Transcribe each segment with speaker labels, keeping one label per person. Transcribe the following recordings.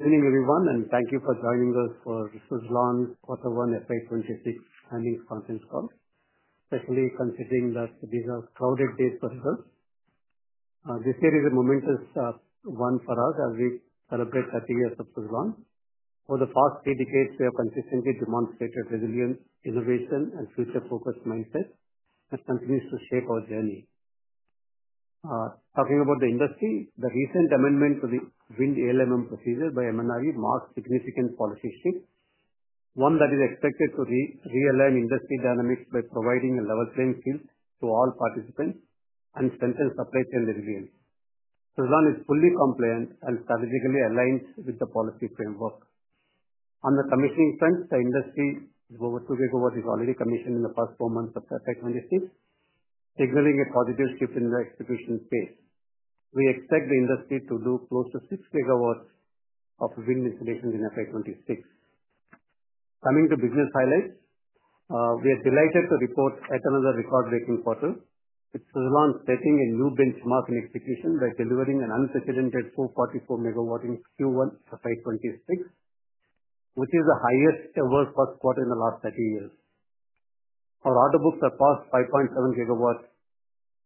Speaker 1: Thank you for joining us for this Suzlon quarter one FY 2026 earnings conference call. Especially considering that these are crowded days for us. This year is a momentous one for us as we celebrate 30 years of Suzlon. For the past three decades we have conclusive resilience, innovation, and future focused mindset that continues to shape our journey. Talking about the industry, the recent amendment to the wind ALMM procedure by MNRE marks significant policy streak, one that is expected to realign industry dynamics by providing a level playing field to all participants and strengthen supply chain resilience. Suzlon is fully compliant and strategically aligns with the policy framework. On the commissioning front, the industry over 2 GW is already commissioned in the first four months of FY 2026, signaling a potential script in the execution space. We expect the industry to do close to 6 GW of wind installations in FY 2026. Coming to business highlights, we are delighted to report yet another record breaking quarter with Suzlon setting a new benchmark in execution by delivering an unprecedented 444 MW in Q1 FY 2026, which is the highest ever first quarter in the last 30 years. Our order books are past 5.7 GW,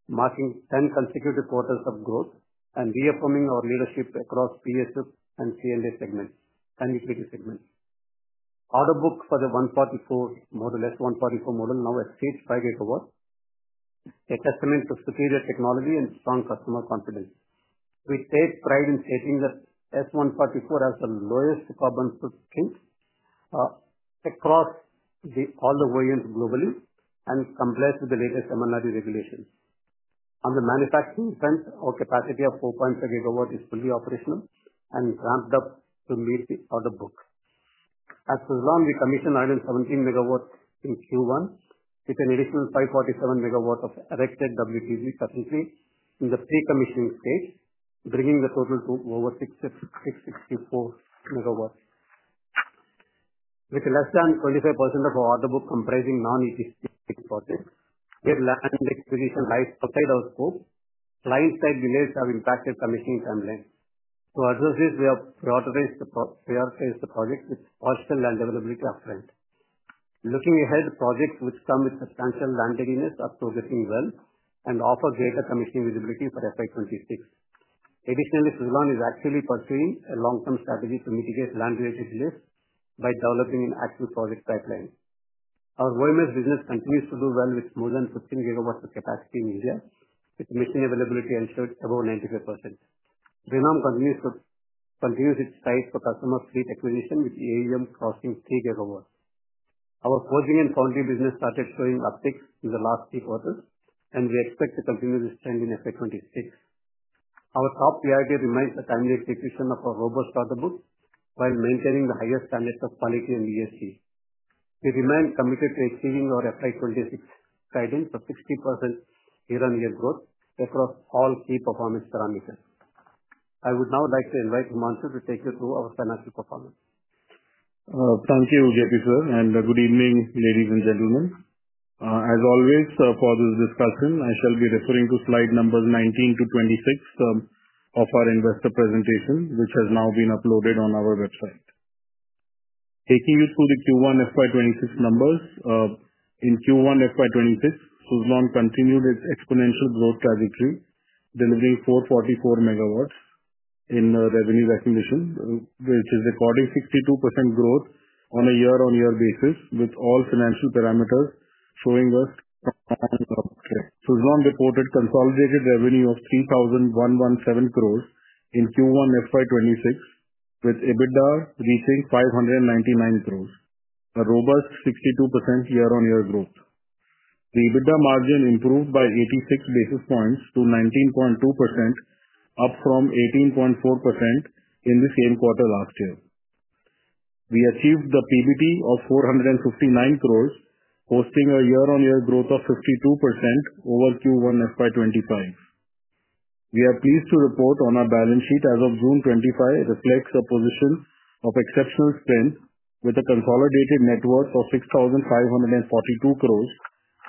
Speaker 1: marking 10 consecutive quarters of growth and reaffirming our leadership across PSU and C&I segments. Order book for the S144 model now exceeds 5 GW, a testament to superior technology and strong customer confidence. We take pride in chasing the S144 as the lowest carbon footprint across all the variants globally and complies with the latest MNRE regulation. On the manufacturing front, our capacity of 4.5 GW is fully operational and ramped up to meet order book at Suzlon. We commissioned around 117 MW in Q1 with an additional 547 MW of arrested WTG capacity in the pre-commissioning stage, bringing the total to over 664 MW, with less than 25% of our order book comprising non-existing projects. Yet, land acquisition rights outside our scope, line side delays have impacted commissioning for Azure. We have prioritized the project with hostile land availability upfront. Looking ahead, projects which come with substantial land readiness are progressing well and offer greater commissioning visibility for FY 2026. Additionally, Suzlon is actively pursuing a long term strategy to mitigate land related risks by developing an actual project pipeline. Our OMS business continues to do well with more than 15 GW of capacity in India with machine availability ensured above 95%. Renom continues its size for customer fleet acquisition with AUM costing 3 GW. Our forging and foundry business started showing uptick in the last three quarters and we expect to continue to strengthen in FY 2026. Our top priority remains the timely execution of our robust order book while maintaining the highest standards of quality and ESG. We remain committed to achieving our FY 2026 guidance of 60% year on year growth across all key performance parameters. I would now like to invite Himanshu to take you through our financial performance.
Speaker 2: Thank you J.P. sir and good evening ladies and gentlemen. As always for this discussion I shall be referring to slide number 19 to 26 of our investor presentation which has now been uploaded on our website. Taking it to the Q1 FY 2026 numbers. In Q1 FY 2026 Suzlon continued its exponential growth trajectory delivering 444 MW in revenue recognition which is recording 62% growth on a year on year basis with all financial parameters showing up. Suzlon reported consolidated revenue of 3,117 crores in Q1 FY 2026 with EBITDA reaching 599 crores, a robust 62% year on year growth. The EBITDA margin improved by 86 basis points to 19.2% up from 18.4% in the same quarter last year. We achieved the profit before tax of 459 crores posting a year on year growth of 52% over Q1 FY 2026. We are pleased to report our balance sheet as of June 2025 reflects the position of exceptional strength with a consolidated net worth of 6,542 crores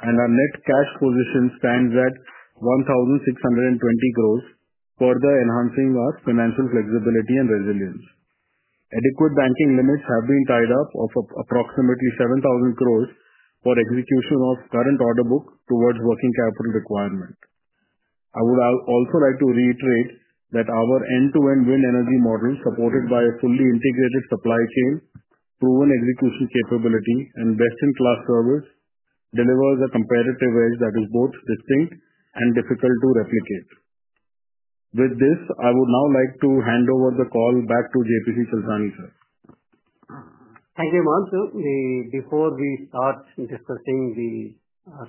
Speaker 2: and our net cash position stands at 1,620 crores, further enhancing our financial flexibility and resilience. Adequate banking limits have been tied up of approximately 7,000 crores for execution of current order book towards working capital requirement. I would also like to reiterate that our end to end wind energy model supported by a fully integrated supply chain, proven execution capability and best in class service delivers a competitive edge that is both distinct and difficult to replicate. With this I would now like to hand over the call back to J.P. Chalasani sir.
Speaker 1: Thank you. Sir, before we start discussing the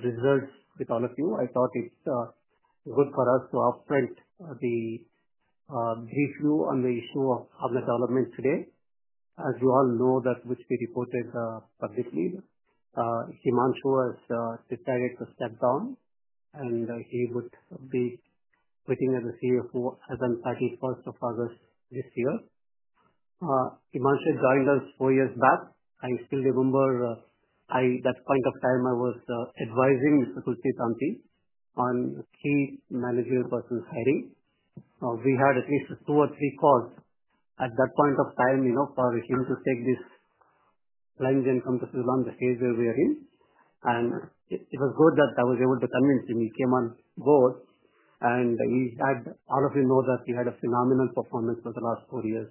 Speaker 1: results with all of you, I thought it's good for us to upfront the brief view on the issue of public elements today. As you all know, which we reported publicly, Himanshu has stepped down and he would be sitting as CFO as on 31st of August this year. Himanshu guiding us 4 years back, I still remember at that point of time I was advising Tanti on key managerial person. We had at least two or three calls at that point of time. For him to take this plunge and come to Suzlon, the stage where we are in, and it was good that I was able to convince him. He came on board and all of you know that he had a phenomenal performance for the last four years.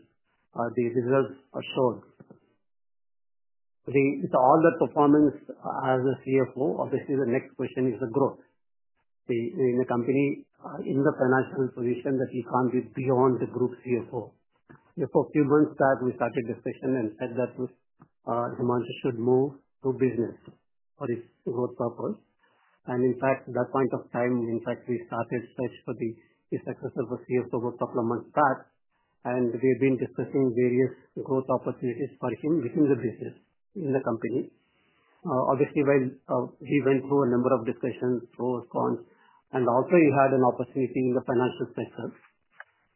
Speaker 1: The results assured all that performance as CFO. Obviously, the next question is the growth in the company in the financial position that we can't be beyond the group CFO. A few months back we started the session and said that Himanshu should move to business for his purpose and in fact at that point of time we started search for the effects of a CFO man start and we've been discussing various growth opportunities for him within the basis in the company. Obviously, when he went through a number of discussions, pros and cons, and also he had an opportunity in the financial sector.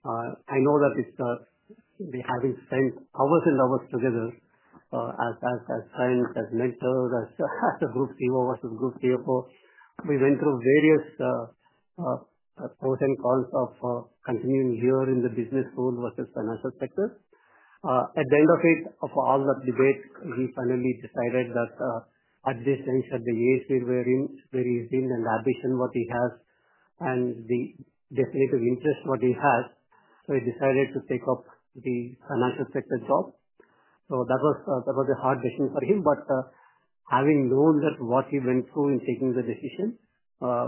Speaker 1: I know that having spent hours and hours together as friends, as mentors, as a group CEO versus group CFO, we went through various pros and cons of continuing here in the business or in the financial sector. At the end of all the debates, he finally decided that at this age, at the age they were in, what he has and the definitive interest what he has, he decided to take up the financial sector job. That was a hard decision for him. Having known what he went through in taking the decision,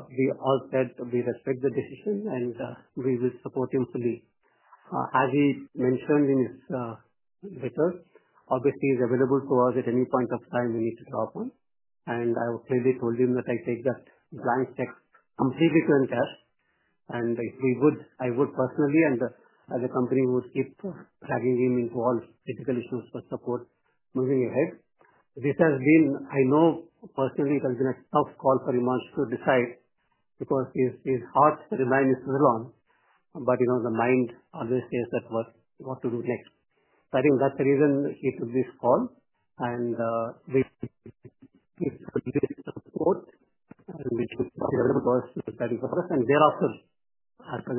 Speaker 1: we all said we respect the decision and we will support him fully. As he mentioned in his letters, obviously he is available to us at any point of time we need to talk on and I clearly told him that I take just blank checks from Suzlon and cash and if we would, I would personally and as a company would keep dragging him into all critical issues but support moving ahead with Suzlon. I know personally it has been a tough call for Himanshu to decide because his heart's remained with Suzlon, but the mind always says what to do next. I think that's the reason he took this call and thereafter,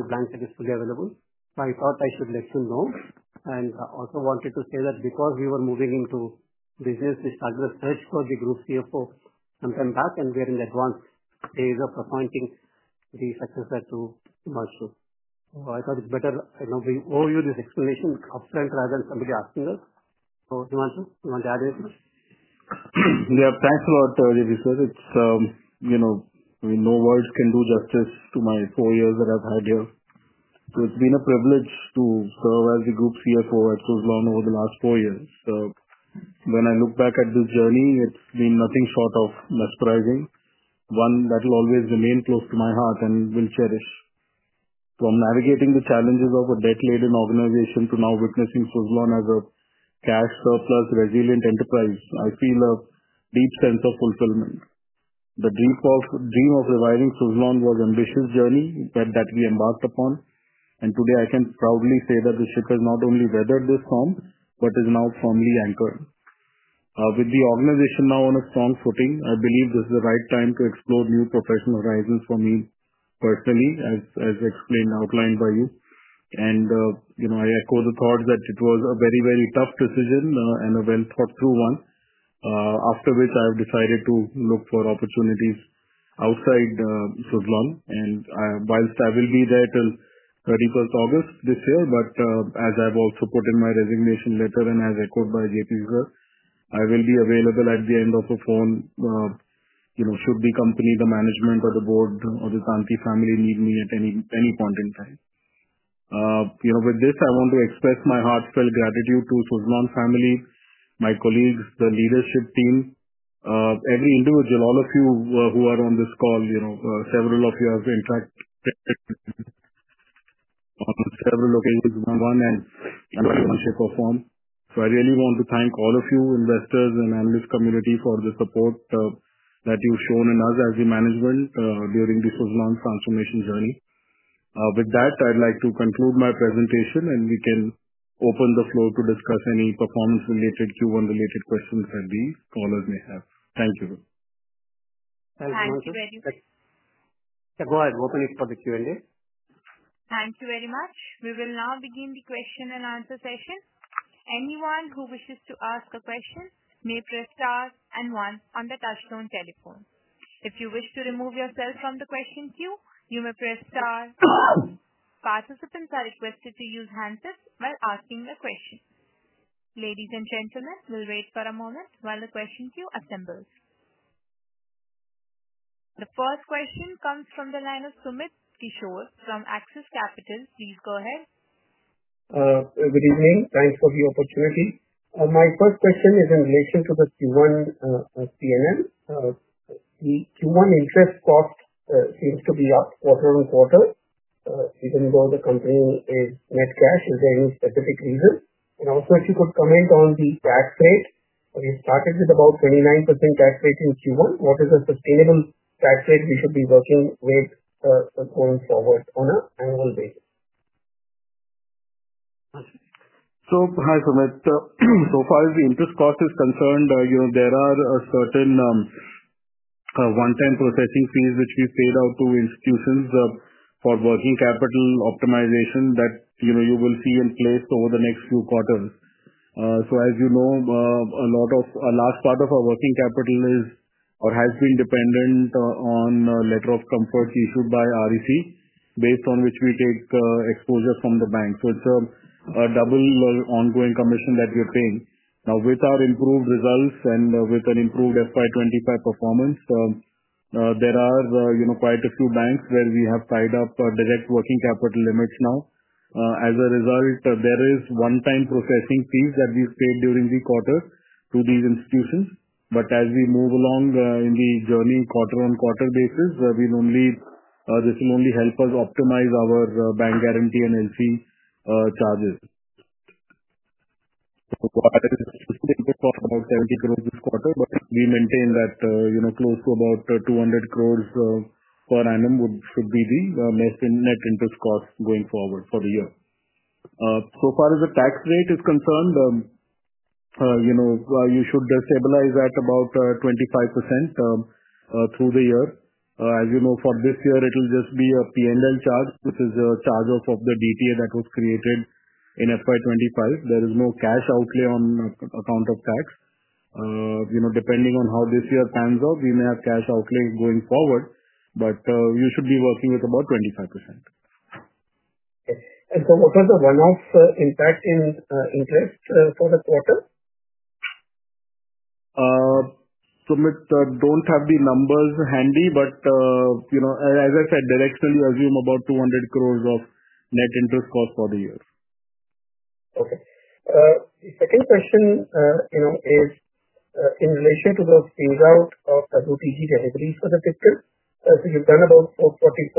Speaker 1: blank, he is fully available. I thought I should let you know and also wanted to say that because we were moving into business startup search for the Group CFO and then back and we are in the advanced days of appointing the successor to Himanshu, I thought it's better now we owe you this explanation upfront rather than somebody asking. Us.
Speaker 2: Yeah, thanks a lot. It's, you know, no words can do justice to my four years that I've had here. It's been a privilege to serve as the Group CFO at Suzlon over the last four years. When I look back at this journey, it's been nothing short of mesmerizing, one that will always remain close to my heart and will cherish. From navigating the challenges of a debt-laden organization to now witnessing Suzlon as a cash surplus, resilient enterprise, I feel a deep sense of fulfillment. The dream of reviving Suzlon was an ambitious journey that we embarked upon, and today I can proudly say that Suzlon not only weathered the storm but is now firmly anchored, with the organization now on a strong footing. I believe this is the right time to explore new professional horizons for me personally, as explained and outlined by you. I echo the thought that it was a very, very tough decision and a well thought through one, after which I have decided to look for opportunities outside Suzlon, and whilst I will be here until the 31st of August this year, as I've also put in my resignation letter and as echoed by J.P., I will be available at the end of the phone, should the company, the management, or the board or the Tanti family need me at any point in time. With this, I want to express my heartfelt gratitude to the Suzlon family, my colleagues, the leadership team, every individual, all of you who are on this call. Several of you have, in fact, on several occasions, one on one and in forums. I really want to thank all of you, investors and analyst community, for the support that you've shown in us as the management during the transformation journey. With that, I'd like to conclude my presentation, and we can open the floor to discuss any performance-related, Q1-related questions the callers may have. Thank you.
Speaker 1: Go ahead, open it for the Q and A.
Speaker 3: Thank you very much. We will now begin the question and answer session. Anyone who wishes to ask a question may press Star and one on the touchstone telephone. If you wish to remove yourself from the question queue, you may press Star. Participants are requested to use handsets while asking the question. Ladies and gentlemen, we'll wait for a moment while the question queue assembles. The first question comes from the line of Sumit Kishore from Axis Capital. Please go ahead.
Speaker 4: Good evening. Thanks for the opportunity. My first question is in relation to the Q1. The Q1 interest cost seems to be up quarter on quarter even though the company is. Is there any specific reason? Also, if you could comment on the tax rate, you started with about 29% tax rate in Q1. What is a sustainable tax rate we should be working with going forward on an annual basis.
Speaker 2: Hi Sumit, so far as the interest cost is concerned, there are certain one-time processing fees which we paid out to institutions for working capital optimization that you will see in place over the next few quarters. As you know, a large part of our working capital is or has been dependent on letter of comforts issued by REC based on which we take exposure from the bank. It's a double ongoing commission that you're paying. Now with our improved results and with an improved FY 2025 performance, there are quite a few banks where we have tied up direct working capital limits. As a result, there is one-time processing fees that we paid during the quarter to these institutions. As we move along in the journey quarter on quarter basis, this will only help us optimize our bank guarantee and LC charges this quarter. We maintain that close to about 200 crore per annum would be the net interest cost going forward for the year. So far as the tax rate is concerned, you should stabilize at about 25% through the year. As you know, for this year it will just be a P&L charge which is a charge off of the DTA that was created in FY 2025. There is no cash outlay on account of tax. Depending on how this year pans out, we may have cash outlay going forward but you should be working with about 25%.
Speaker 4: What was the one-off impact in interest for the quarter?
Speaker 2: Don't have the numbers handy but as I said, directionally assume about 200 crore of net interest cost for the year.
Speaker 4: The second question is in relation to those things. Out of 44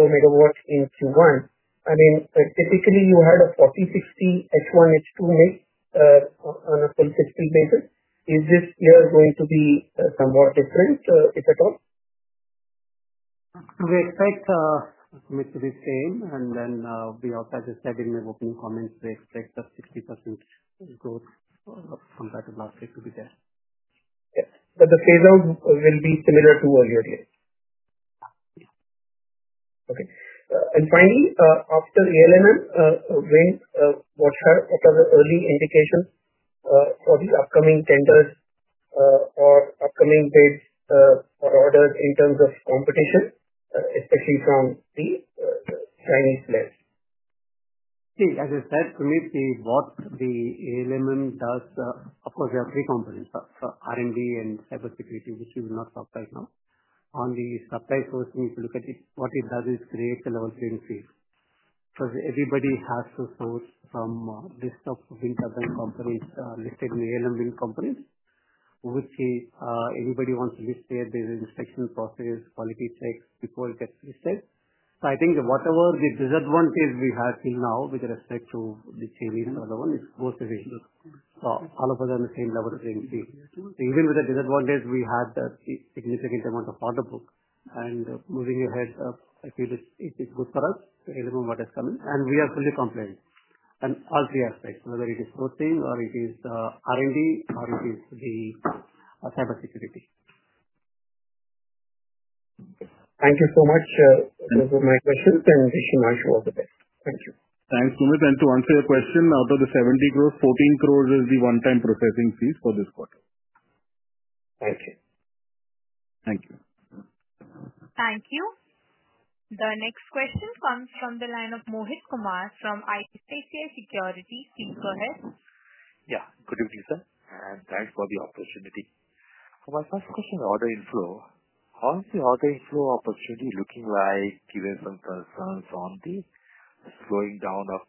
Speaker 4: MW in Q1, I mean typically you had a 40/60 H1:H2 on a consistent basis. Is this year going to be somewhat different if at all?
Speaker 1: We expect to be same and then we have, as I said in my opening comments, we expect 60% growth comparative market to be there
Speaker 4: but the phase out will be similar to earlier. Okay, and finally after ALMM, what's your early indication for the upcoming tenders or upcoming dates or orders in terms of competition, especially from the Chinese OEMs.
Speaker 1: As I said, what the ALMM does, of course, there are three components: in-house R&D and cybersecurity, which we will not talk about right now on the subtitle source. We need to look at it. What it does is create the level three, so everybody has to source from desktop wings, other than companies listed in ALMM, companies which anybody wants to list here. There is an inspection process and quality checks before it gets. I think whatever the disadvantage we have seen now with respect to the same, the other one is host decisions. All of us are on the same level. Even with the disadvantage, we had the significant amount of order book and moving your heads up. I feel it is good for us, what is coming, and we are fully compliant in all three aspects, whether it is routing or it is the R&Dor it is the cybersecurity.
Speaker 4: Thank you so much. Thank you.
Speaker 2: Thanks. To answer your question, out of the 70 crore, 14 crore is the one-time processing fees for this quarter.
Speaker 4: Okay,
Speaker 2: thank you.
Speaker 3: Thank you. The next question comes from the line of Mohit Kumar from ICICI Securities. Go ahead.
Speaker 5: Yeah. Good evening sir and thanks for the opportunity. For my first question, order inflow. How is the order inflow opportunity looking like given some concerns on the slowing down of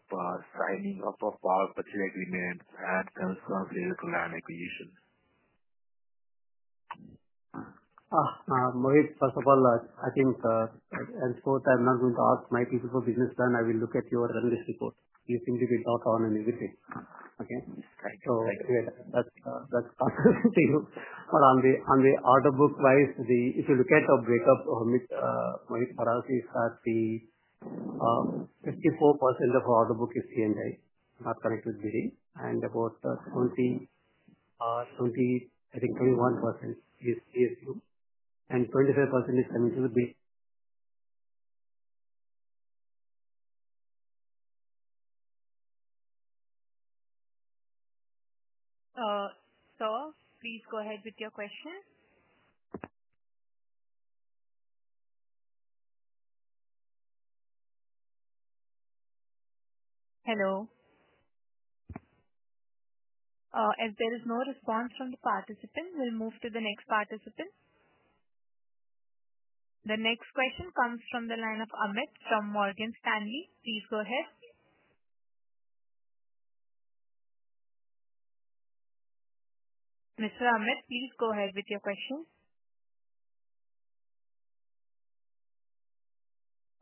Speaker 5: signing up of power purchase agreements and concerning land acquisitions.
Speaker 1: Mohit, first of all, I think I'm not going to ask my people for business plan. I will look at your run list report. You think they log on and everything. Okay, that's to you. On the order book price, if you look at the breakup, 54% of order book is C&I connected, and about 21% is PSU, and 25% is Commission B.
Speaker 3: Sir, please go ahead with your question. Hello. As there is no response from the participant, we move to the next participant. The next question comes from the line of Amit from Morgan Stanley. Please go ahead. Mr. Amit, please go ahead with your questions.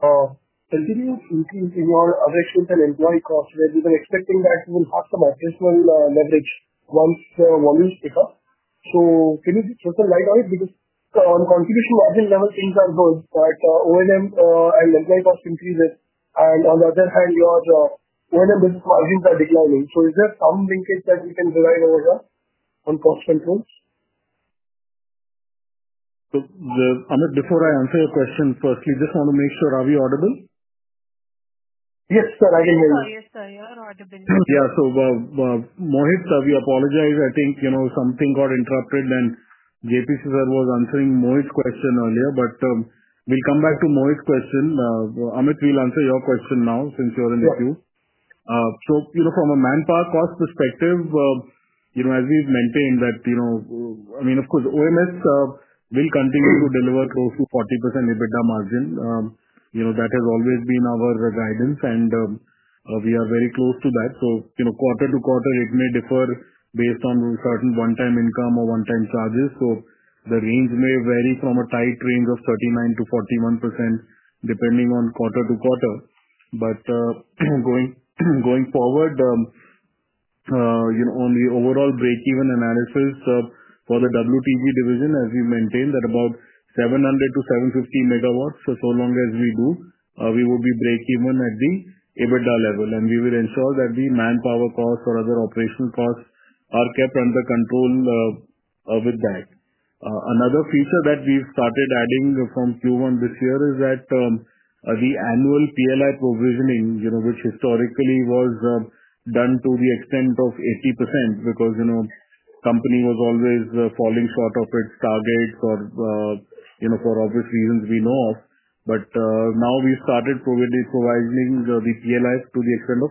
Speaker 3: Where we were expecting that we will talk to my Criswell leverage once the volumes pick up. Can you put some light on it because on contribution level things are going like OMS and on the other hand your business margins are declining. Is there some basis that we can provide over here on cost control?
Speaker 2: Before I answer your question, first just want to make sure. Are we audible? Yes sir, I can hear you.
Speaker 3: Yes sir. You're audible.
Speaker 2: Yeah. Sir, we apologize. I think something got interrupted and J.P. was answering Mo's question earlier. We'll come back to Mohit's question. Amit, we'll answer your question now. From a manpower cost perspective, as we've maintained, I mean of course O&M will continue to deliver close to 40% EBITDA margin. That has always been our guidance and we are very close to that. Quarter to quarter it may differ based on certain one-time income or one-time charges. The range may vary from a tight range of 39%-41% depending on quarter to quarter. Going forward, on the overall breakeven analysis for the WTB division, as we maintain, about 700 MW-750 MW, so long as we go, we will be breakeven at the EBITDA level and we will ensure that the manpower cost or other operational costs are kept under control. Another feature that we've started adding from Q1 this year is that the annual PLI provisioning, which historically was done to the extent of 80% because the company was always falling short of its targets or for obvious reasons we know of, but now we started providing the PLIs to the extent of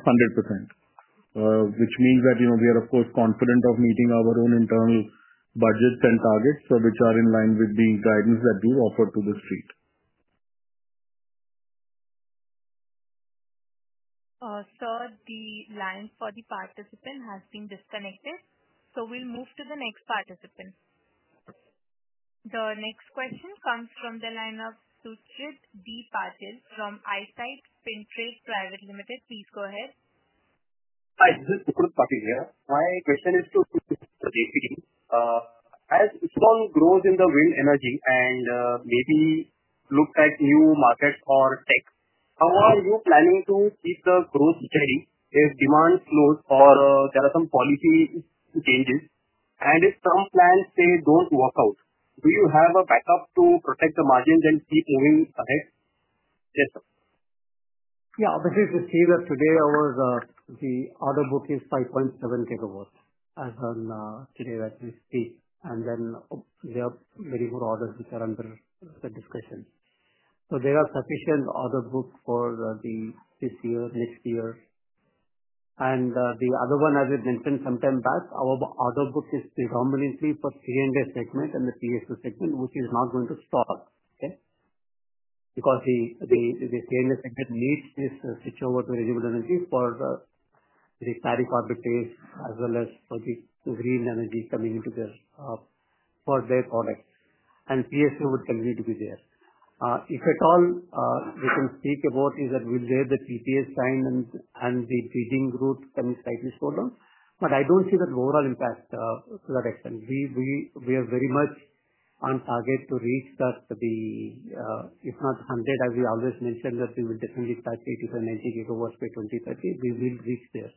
Speaker 2: 100%, which means that we are of course confident of meeting our own internal budgets and targets, which are in line with the guidance that we offer to the streets.
Speaker 3: Sir, the line for the participant has been disconnected, so we'll move to the next participant. The next question comes from the line of Sucrit Patil from Eyesight Fintrade Private Limited. Please go ahead.
Speaker 6: Hi, Sucrit Patil here, this is my question. Is Suzlon looking at growth in the wind energy sector and maybe looking at new markets or technology? How are you planning to reach the growth if demand slows or there are some policy changes, and if some plans don't work out, do you have a backup to protect the margins and keep moving ahead?
Speaker 2: Yeah, obviously, today the order book is 5.7 GW as on today that we speak, and then we have many more orders which are under discussion. There is sufficient order book for this year, next year, and the other one. As we mentioned sometime back, our order book is predominantly for C&I segment and the PSU segments, which is not going to stop because the C&I sector needs this switch over to renewable energy for the paraprofitable as well as for the green energy coming into the first day products, and PSU would congregate us if at all. All we can speak about is that we'll let the TPS sign, and the bridging route can be slightly slowed down, but I don't see that overall impact to that extent. We are very much on target to reach that. If not 100, as we always mentioned, we will definitely touch 85 GW-90 GW by 2030. We will reach there.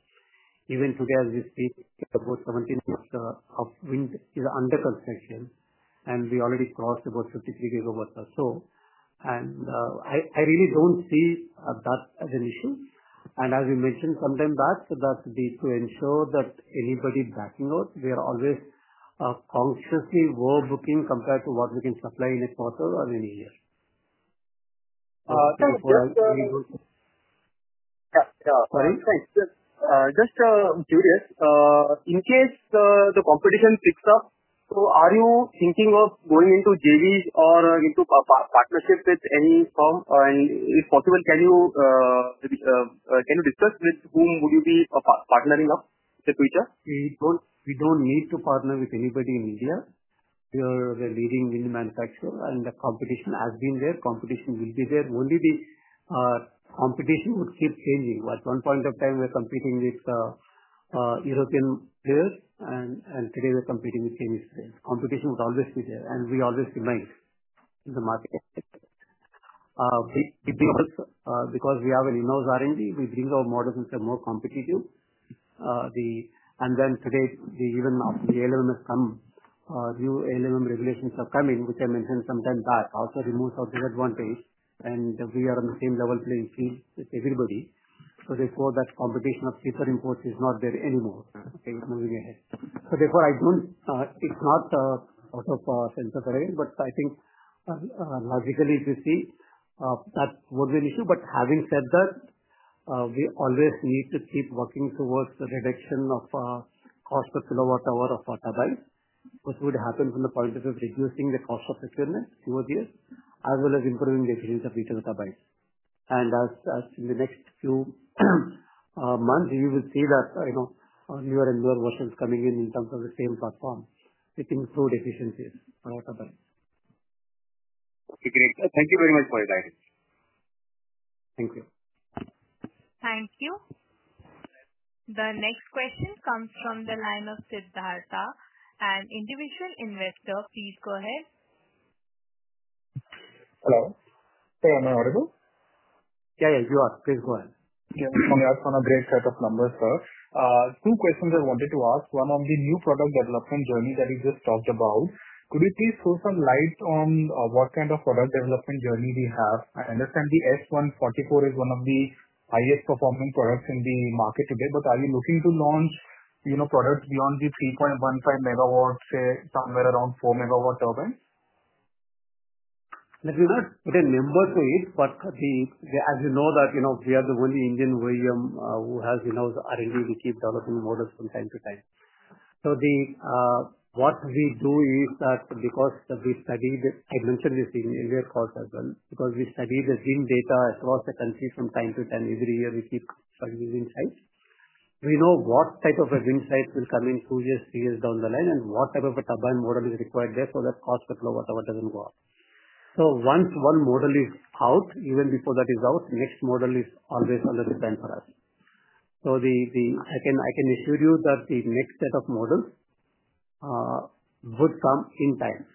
Speaker 2: Even today as we speak, October 17th, if the wind is under construction, and we already crossed about 53 GW or so. I really don't see that as an issue, and as we mentioned sometime, that's to ensure that anybody backing out, we are always consciously overbooking compared to what we can supply in a quarter or any year
Speaker 6: Before we go. I'm just curious, in case the competition picks up, are you thinking of going into JV or into partnership with any firm or any possible? Can you discuss with whom would you be partnering up?
Speaker 1: We don't need to partner with anybody in India. We are the leading Indian manufacturer, and the competition has been there. Competition will be there. Only the competition would keep changing. At one point of time, we were competing with European players, and today we're competing with same experience. Competition would always be there, and we always remain in the market because we have in-house R&D. We bring our models into more competitive, and then today, even after the ALMM has come, new ALMM regulations are coming. We can maintain some time. That also removes our disadvantage, and we are on the same level playing field with everybody because they saw that combination of cheaper imports is not there anymore moving ahead. Therefore, I don't. I think logically if you see that was an issue, but having said that, we always need to keep working towards the reduction of cost per kilowatt hour of our turbines. What would happen from the point of reducing the cost of effectiveness as well as improving the efficiency of retail carbide? In the next few months, you will see your endure vessels coming in in terms of the same platform. We can float efficiencies, a lot of that.
Speaker 6: Great.Thank you very much for your guidance.
Speaker 1: Thank you.
Speaker 3: Thank you. The next question comes from the line of Siddhartha, an individual investor. Please go ahead. Hello. Hey. Am I audible?
Speaker 1: Yeah. Yeah you are. Please go ahead Swamiya. It's on a great set of numbers. Sir, two questions I wanted to ask, one on the new product development journey that you just talked about. Could you please shed some light on what kind of product development journey do you have? I understand the S144 wind turbine is one of the highest performing products in the market today. Are you looking to launch, you know, product beyond the 3.15 MW, say somewhere around 4 MW turbines? Let me not put a number quiz, but as you know, we are the only Indian OEM who has, you know, in-house R&D. We keep developing models from time to time. What we do is that because we study this, I mentioned this in earlier calls as well, because we study the data across the country from time to time, every year we keep using insights. We know what type of a wind site will come in through your CS down the line and what type of a turbine model is required. Therefore, that cost per flow, whatever, doesn't go up. Once one model is out, even before that is out, next model is always on the design for us. I can assure you that the next set of models would come in time.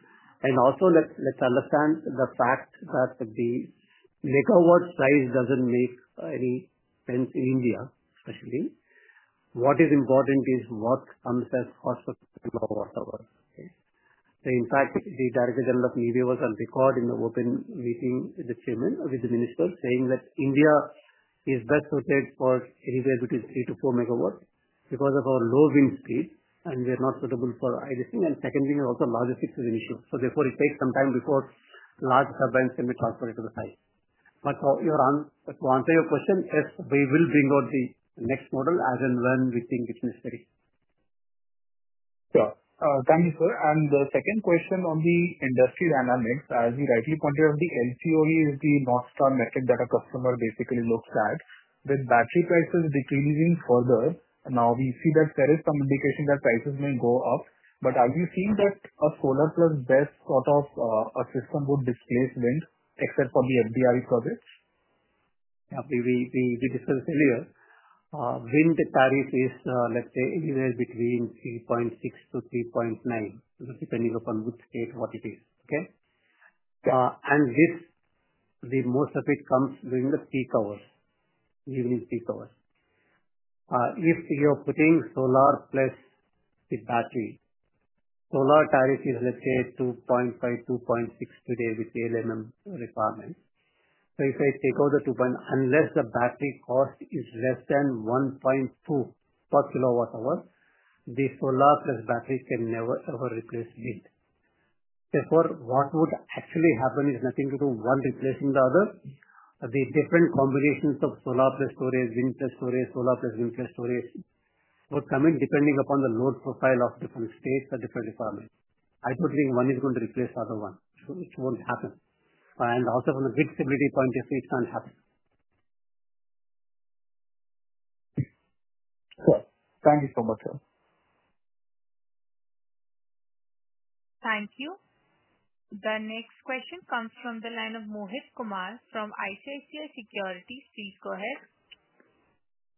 Speaker 1: Also, let's understand the fact that the LCOE price doesn't make any sense in India, especially what is important is what comes as cost hours. In fact, the Director General of MNRE was on record in the open meeting with the Chairman, with the Minister, saying that India is best for anywhere between 3 MW-4 MW because of our low wind speed and we are not suitable for icing and second union, also larger size is an issue. Therefore, it takes some time before large turbines can be transported to the site. To answer your question, yes, we will bring out the next model as and when we think it's necessary. Sure. Thank you sir. The second question on the industry dynamics. As you rightly pointed out, the LCOE is the North Star metric that a customer basically looks at. With battery prices decreasing further, now we see that there is some indication that prices may go up. Are we seeing that a solar-plus-storage sort of a system would displace wind? Except for the FDRE projects we discussed earlier, wind parity is, let's say, anywhere between 3.6-3.9 depending upon which state, what it is. Most of it comes during the peak hours. During the peak hours if you're putting solar plus this battery, solar tariff is, let's say, 2.5, 2.6 today with ALMM requirement. If I take out the 2 point. Unless the battery cost is less than 1.2 per kilowatt hour, the solar-plus-batteries can never ever replace yield. Therefore, what would actually happen is nothing to do with one replacing the other. The different combinations of solar-plus-storage, unit test storage, solar-plus-unit test storage would come in depending upon the load profile of different states and different requirements. Predicting one is going to replace the other one, it won't happen. Also, from a grid stability point of view, it can't happen. Thank you so much.
Speaker 3: Thank you. The next question comes from the line of Mohit Kumar from ICICI Securities. Please go ahead.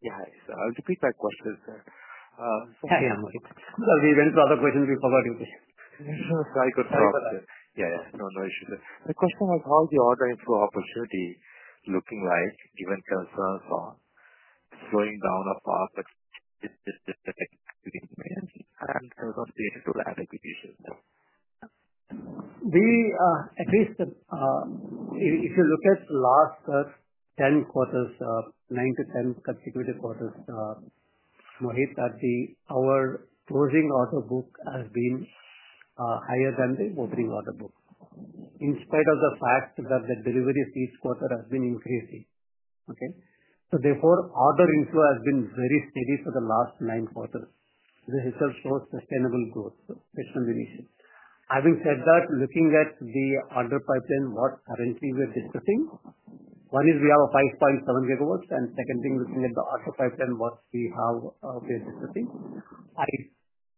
Speaker 5: Yeah, so I'll repeat my questions.
Speaker 1: We went to other questions. We covered you there.
Speaker 5: Yeah, no, no issue. The question was how's the order info opportunity looking like given concerns on slowing down of and
Speaker 1: we at least if you look at last 10 quarters, 9 to 10 consecutive quarters, our closing order book has been higher than the opening order book in spite of the fact that the deliveries each quarter are swinging, facing. Okay, so therefore order info has been very steady for the last nine quarters, this sustainable growth initiative. Having said that, looking at the under pipeline, what currently we're discussing, one is we have a 5.7 GW, and second thing, looking at the archetype and what we have,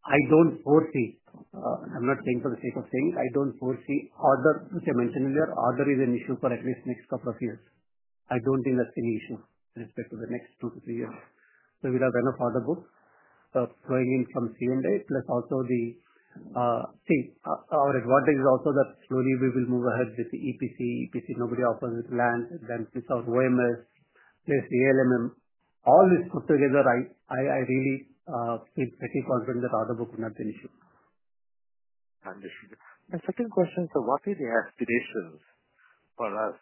Speaker 1: I don't foresee, I'm not saying for the sake of saying, I don't foresee order, which I mentioned earlier, order is an issue for at least next couple of years. I don't think that's any issue with respect to the next two to three years. We have enough order books flowing in from seven days. Let's also see, our advantage is also that slowly we will move ahead with the EPC. EPC, nobody offers it, land, then switch out OMS, plus ALMM, all this put together. I really feel pretty confident that order book would not be an issue.
Speaker 5: The second question, what are the aspirations for us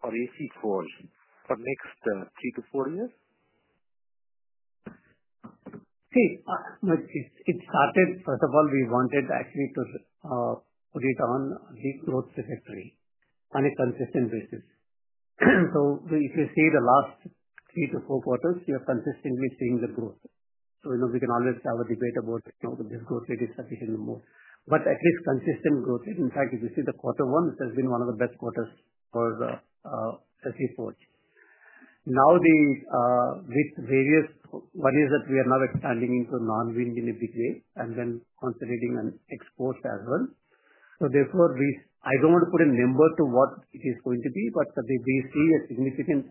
Speaker 5: for SE Forge for next three to four years?
Speaker 1: See, it started, first of all, we wanted actually to put it on the growth trajectory on a consistent basis. If you see the last three to four quarters, you're consistently seeing the growth, so you know we can always have a debate about this growth rate is sufficient, but at least consistent growth rate. In fact, if you see the quarter ones, there's been one of the best quarters for the SE Forge, with various, one is that we are now expanding into non-wind in a big way and then considering an export as well. I don't want to put a number to what it is going to be, but we see a significant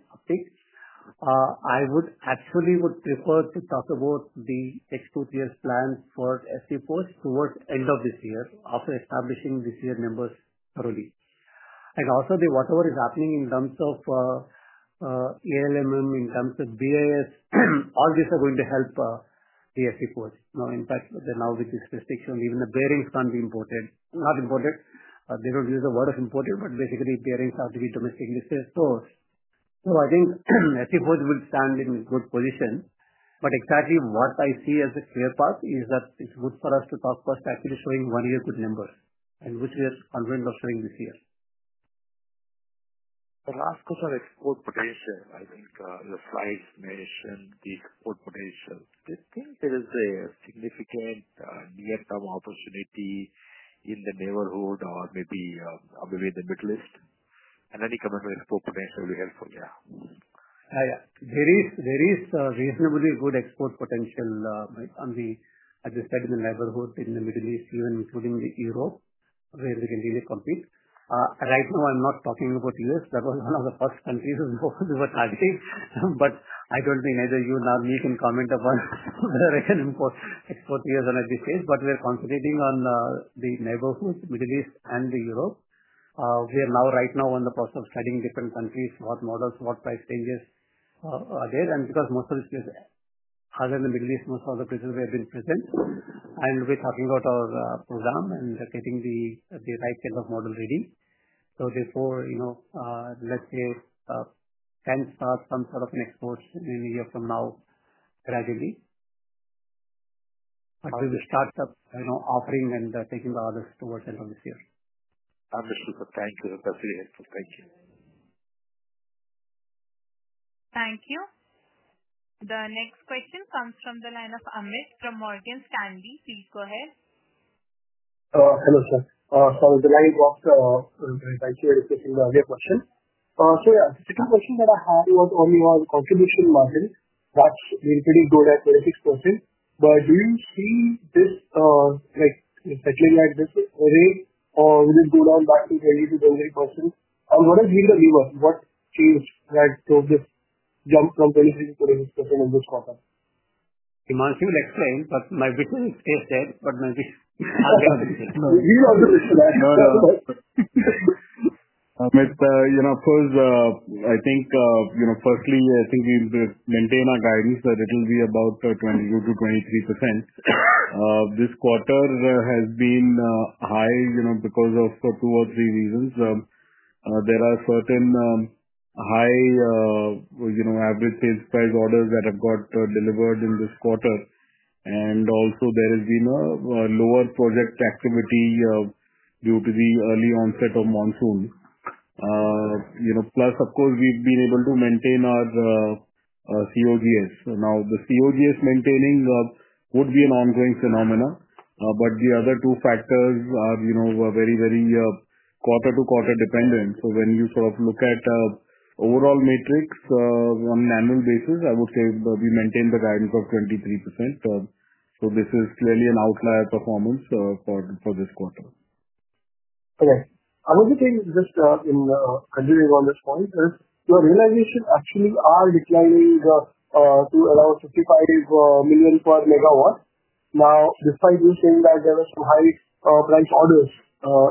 Speaker 1: uptick. I would actually prefer to talk about the export years plan for SE Forge towards end of this year after establishing this year members thoroughly and also whatever is happening in terms of ALMM, in terms of BAS, and all these are going to help DSC ports now. In fact, now, which is statistics only, the bearings can't be imported, not imported, they don't use a word of imported, but basically bearings have to be domestic listed stores. I think SE Forge will stand in good position. What I see as a spare part is that it's good for us to talk first actually showing one year to the numbers and which is unveiled of doing this year
Speaker 5: export potential. I think the price mentioned the export potential. Do you think there is a significant near term opportunity in the neighborhood or maybe the Middle East and any commercial export potentially helpful here?
Speaker 1: There is reasonably good export potential on the export as they said in the neighborhood in the Middle East even including Europe where we can unique companies. Right now I'm not talking about U.S. that was one of the first countries we were targeting. I don't think neither you nor can comment upon whether I can import export years on at this stage. We're concentrating on the neighborhood Middle East and Europe. We are now right now in the process of studying different countries, what models, what price changes are there. Most of this is harder than the Middle East. Most of the business we have been present and we're talking about our program and getting the right kind of model ready. Let's say can start some sort of exports in a year from now, gradually start up offering and taking the others towards end of this year.
Speaker 5: Thank you.
Speaker 3: Thank you. The next question comes from the line of Amit from Morgan Stanley. Please go ahead. Hello sir, the live box. The question that I had was only was contribution margin that's really pretty good at 26%. Do you see this in settling like this? What changed has jumped from very
Speaker 2: much you will exchange but my business escapes there. I think, you know firstly I think we'll maintain our guidance that it will be about 22%-23%. This quarter has been high, you know because of two or three reasons. There are certain high, you know average page size orders that have got delivered in this quarter and also there is lower project activity due to the early onset of monsoon, plus of course we've been able to maintain our COGS. Now the COGS maintaining would be an ongoing phenomena but the other two factors are very, very quarter to quarter dependent. When you sort of look at overall matrix on an annual basis, I would say we maintained the guidance of 23%. This was clearly an outlier performance for this quarter. I want to take this chart in continuing on this point, your realization actually are declining to around 55 million per megawatt now despite me saying that there were some high price orders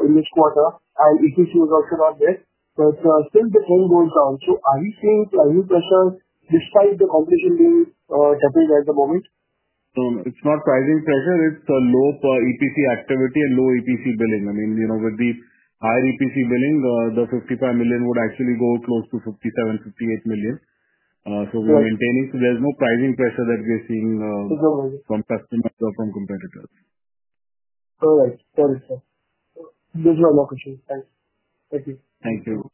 Speaker 2: in this quarter and if issues are not there, but still the phone goes down. Are you seeing pressure despite the competency at the moment? It's not pricing pressure. It's a low per EPC activity and low EPC billing. With the higher EPC billing the 55 million would actually go close to 57 million, 58 million. We're maintaining. There's no pricing pressure that we're seeing from customers or from competitors. All right, sorry sir. Thank you.
Speaker 3: Thank you.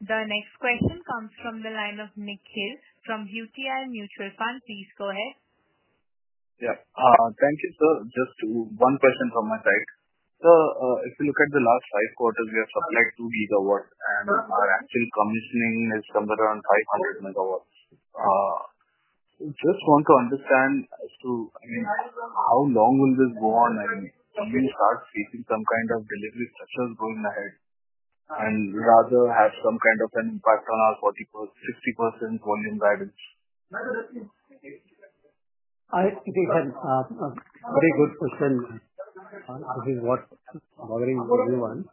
Speaker 3: The next question comes from the line of Nikhil from UTI Mutual Fund. Please go ahead.
Speaker 7: Yeah, thank you. Sir, just one question from my side. If you look at the last five quarters, we have supplied 2 GW and our actual commissioning is somewhere around 500 MW. Just want to understand how long will this go on and somebody starts seeing some kind of material success going ahead and you rather have some kind of an 60% going in bag if you can.
Speaker 1: Pretty good question. This is what is bothering everyone.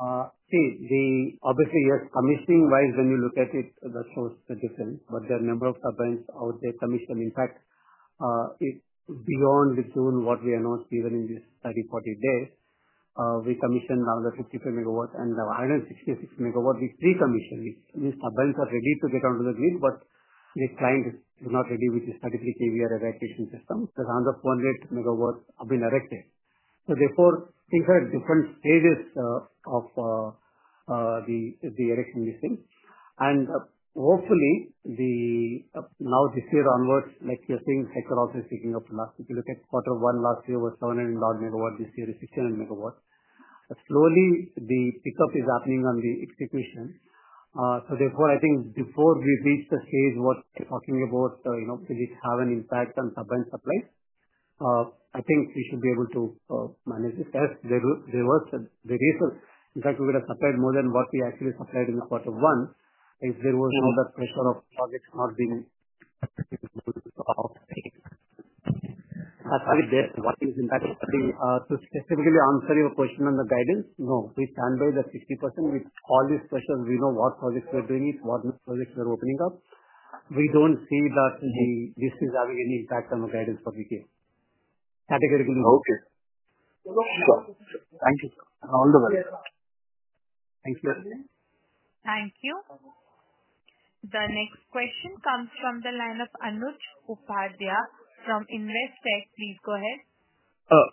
Speaker 1: Obviously, yes, commissioning wise when you look at it, that's most different. There are a number of sub banks out there commissioned, in fact beyond June what we announced. Even in this 30, 40 days, we commissioned another 50 MW and the 166 MW. With three commissioners, these turbines are ready to get onto the grid but the client is not ready. With 33 kV erection system, around 18 MW have been erected. Therefore, things are at different stages of the erection listing and hopefully now this year onwards, like you're seeing cycles. If you look at quarter one last year, it was 700 MW, this year is 69 MW. Slowly the pickup is happening on the execution. I think before we reach the stage, what you're talking about, you know, will it have an impact on turbine supplies? I think we should be able to manage this as reverse. In fact, we would have supplied more than what we actually supplied in quarter one if there was another pressure of targets not being. I find it there. To specifically answer your question on the guidance, no, we can do the 60% with all these questions. We know what projects we're doing, it's what projects we're opening up. We don't see that this is having any impact on the guidance from U.K. categorically.
Speaker 7: Okay, thank you.
Speaker 1: Thank you.
Speaker 3: Thank you. The next question comes from the line of Anuj Upadhyay from Investec. Please go ahead.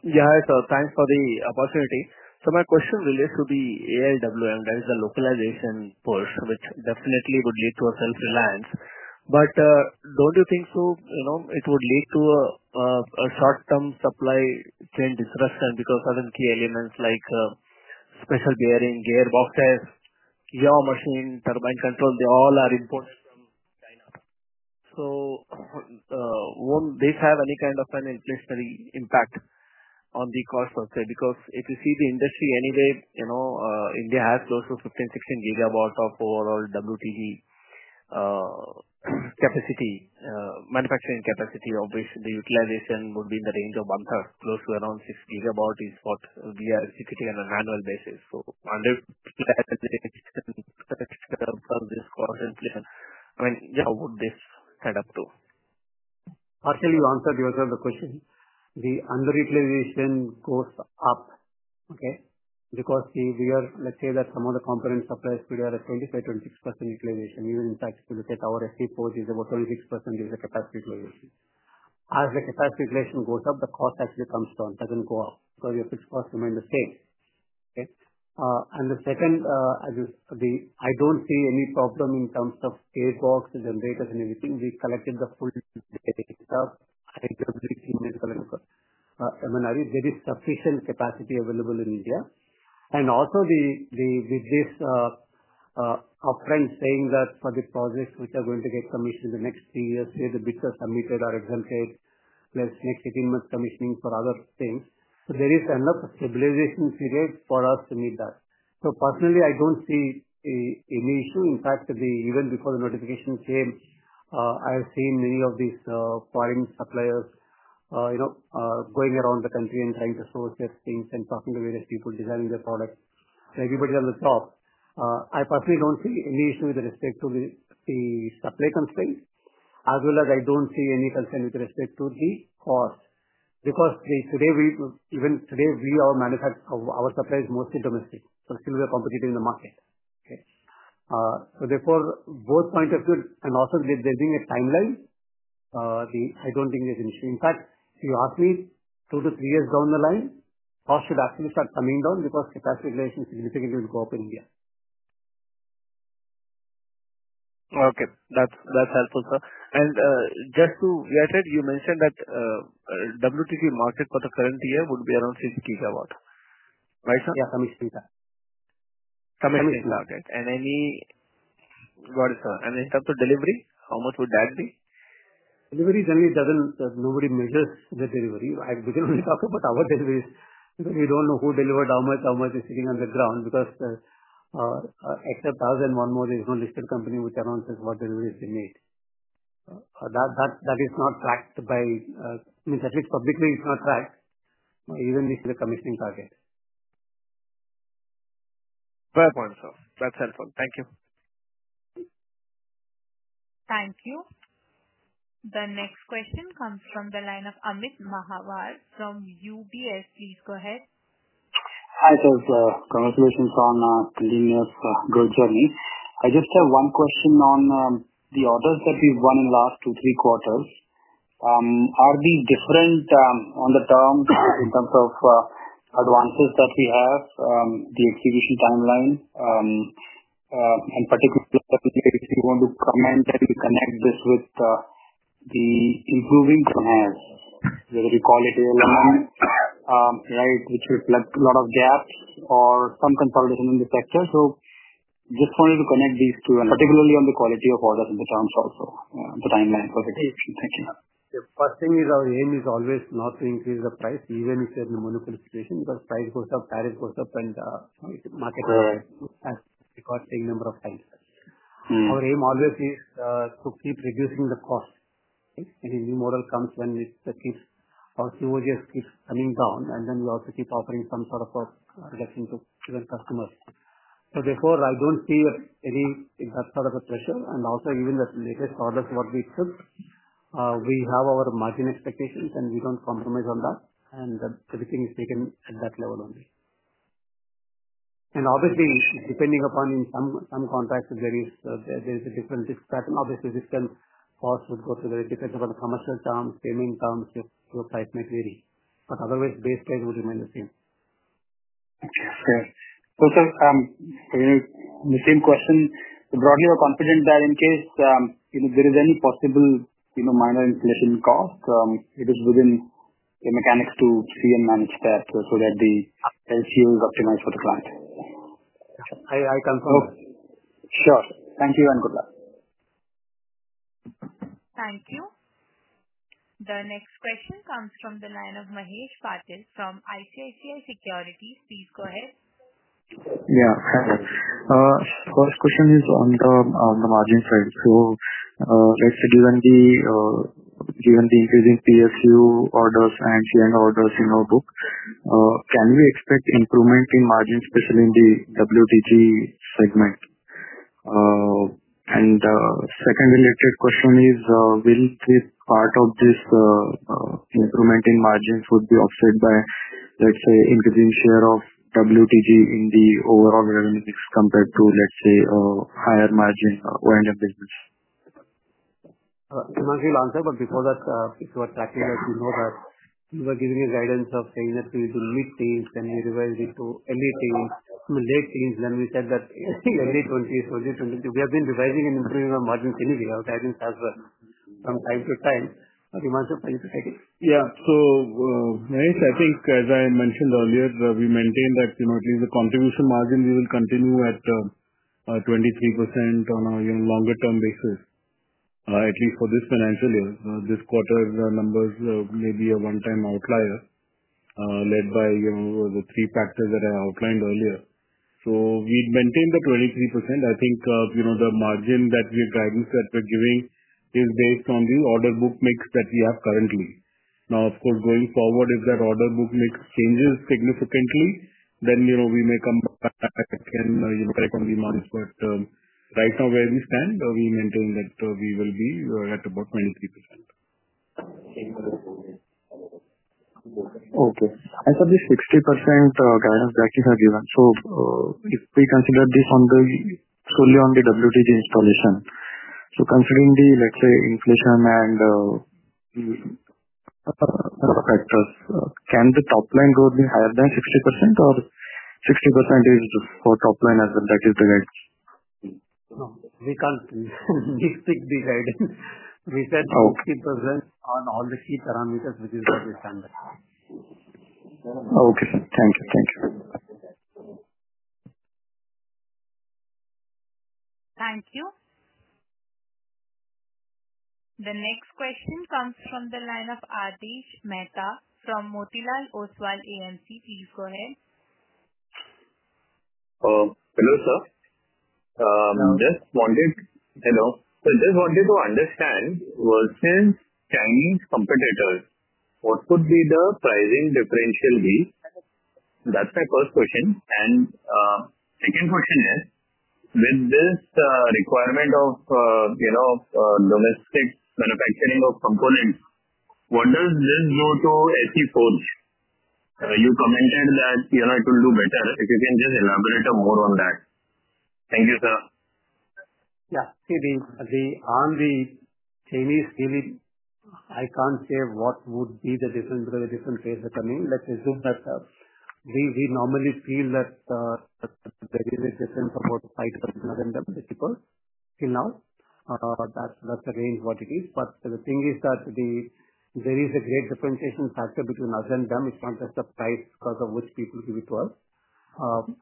Speaker 8: Yeah, thanks for the opportunity. My question relates to the ALMM and that is the localization push which definitely would lead to self-reliance, but don't you think it would lead to a short-term supply chain disruption because other key elements like special gearing, gearboxes, yaw machine, turbine control, they all are import. Won't this have any kind of an inflationary impact on the cost per se? If you see the industry anyway, India has close to 15 GW-16 GW of overall wind turbine generator manufacturing capacity, of which the utilization would be in the range of, I mean, close to around 6 GW is what we are securing on an annual basis. Would this kind of,
Speaker 1: after you answered yourself the question, the underutilization goes up. If we are, let's say, that some of the components supply is at 25%-26% utilization, in fact our scenario for is about 36% is the capacity. As the capacity utilization goes up, the cost actually comes down, doesn't go up, because your fixed cost remains the same. The second is, I don't see any problem in terms of gearboxes, generators, and everything. We checked the full, there is sufficient capacity available in India. Also, with this upfront saying that for projects which are going to get commissioned in the next three years, the bids are submitted are one year ahead of commissioning for other things, but there is enough stabilization period for us to meet that. Personally, I don't see any issue. In fact, even before the notification came, I have seen many of these foreign suppliers going around the country and trying to source their streams and talking to various people, designing their product. Everybody on the top. I personally don't see any issue with respect to the supply constraint, as well as I don't see any concern with respect to the cost, because even today our manufacturers, our supply is mostly domestic, competitive in the market. Therefore, both points are good and also building is timelines. I don't think there's any impact. Actually, two to three years down the line, cost should actually start coming down because capacity utilization significantly will go up in India.
Speaker 8: Okay, that's helpful, sir. Just to react, you mentioned that the WTG market for the current year would be around 50 GW. In terms of delivery, how much would that be?
Speaker 1: Delivery generally doesn't—nobody measures the delivery. We can only talk about our database. You don't know who delivered how much, how much is sitting on the ground, because except Suzlon Energy Limited, there is no listed company which announces what deliveries they made. That is not tracked by means, at least publicly it's not tracked. Even this is a commissioning target.
Speaker 8: Fair point, sir. That's helpful. Thank you.
Speaker 3: Thank you. The next question comes from the line of Amit Mahawar from UBS. Please go ahead.
Speaker 9: Congratulations. I just have one question on the orders that we've won in the last two, three quarters. Are these different on the terms in terms of advances that we have, the execution timeline, and particularly if you want to comment that you connect this with the improving sonar, whether we call it right, which reflects a lot of gaps or some consolidation in the sector. I just wanted to connect these two, and particularly on the quality of orders, the terms, also the timeline for the case. Thank you.
Speaker 1: The first thing is our aim is always not to increase the price even if you're in a monopoly situation because price goes up, tariff goes up, and market has recorded a number of times. Our aim always is to keep reducing the cost. Any new model comes when coming down, and then we also keep offering some sort of reduction to civil customers. Therefore, I don't see any that sort of a pressure. Also, even the latest product works. We have our margin expectations, and we don't compromise on that. Everything is taken at that level. Obviously, depending upon some contract, there is a different risk pattern. Obviously, this can cost, would go through the difference about the commercial terms, payment terms, but otherwise base case would remain the same.
Speaker 9: The same question, broadly you're confident that in case there is any possible, you know, minor inflation cost, it is within mechanics to see and manage test so that the optimized for the client.
Speaker 1: I confirm.
Speaker 9: Sure. Thank you and good luck.
Speaker 3: Thank you. The next question comes from the line of Mahesh Patil from ICICI Securities. Please go ahead.
Speaker 10: Yeah, first question is on the margin side. Given the increasing PSU orders and share orders in our book, can we expect improvements in margin especially in the WTG segment? Second question is will part of this improvement in margins be offset by, let's say, increasing share of WTG in the overall revenues compared to, let's say, a higher margin O&M business?
Speaker 1: Before that, if you are taking that, you know, you were giving a guidance of saying that we don't need things, then you revised it to early thing late. Since then, we said that, I think early 20s, early 22. We have been revising and improving our margins anyway from time to time.
Speaker 2: Yeah. I think as I mentioned earlier, we maintained that, you know, at least the contribution margin we will continue at 23% on a longer term basis, at least for this financial. This quarter numbers may be a one-time outlier led by, you know, the three factors that I outlined earlier. We maintained the 23%. I think, you know, the margin that we're driving, that we're giving, is based on the order book mix that we have currently. Now, of course, going forward, if that order book mix changes significantly, then, you know, we may come. Right now, where we stand, we maintain that we will be at about 23%.
Speaker 10: Okay. For this 60% guidance that you have given, if we consider this on the scrolly on the WTG installation, considering, let's say, inflation, can the top line growth be higher than 60% or 60% for top line as well? That is the read.
Speaker 1: No, we can't decide. We said it presents on all the key parameters, which is what we stand.
Speaker 10: Okay, thank you. Thank you.
Speaker 3: Thank you. The next question comes from the line of Aadesh Mehta from Motilal Oswal AMC. Please go ahead.
Speaker 11: Hello sir, I just wanted to understand versus Chinese competitors what would be the pricing differential lead. That's my first question. Second question is with this requirement of, you know, domestic manufacturing of components, what does this go to SE Forge? You commented that PLI could do better. If you can just elaborate more on that. Thank you sir.
Speaker 1: Yeah, see, on the Chinese, I can't say what would be the difference coming. We normally feel that there is existence about 5%-6% of them. It's called till now, that's the range what it is. The thing is that there is a great differentiation factor between us and them. It's not just the types because of which people give it to us.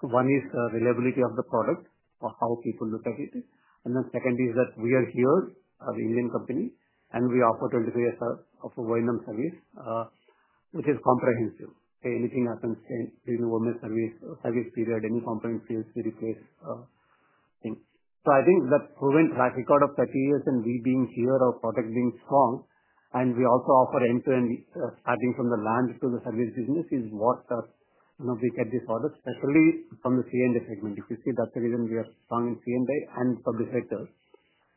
Speaker 1: One is reliability of the product or how people look at it. Second is that we are here, the Indian company, and we offer 23 years of O&M service which is comprehensive. Anything happens during the service period, any component sales we request. I think that proven track record of 30 years and we being here, our product being strong, and we also offer end to end starting from the land to the service business is what now we get this order, especially from the C&I segment. If you see, that's the reason we are strong in C&I and public sector.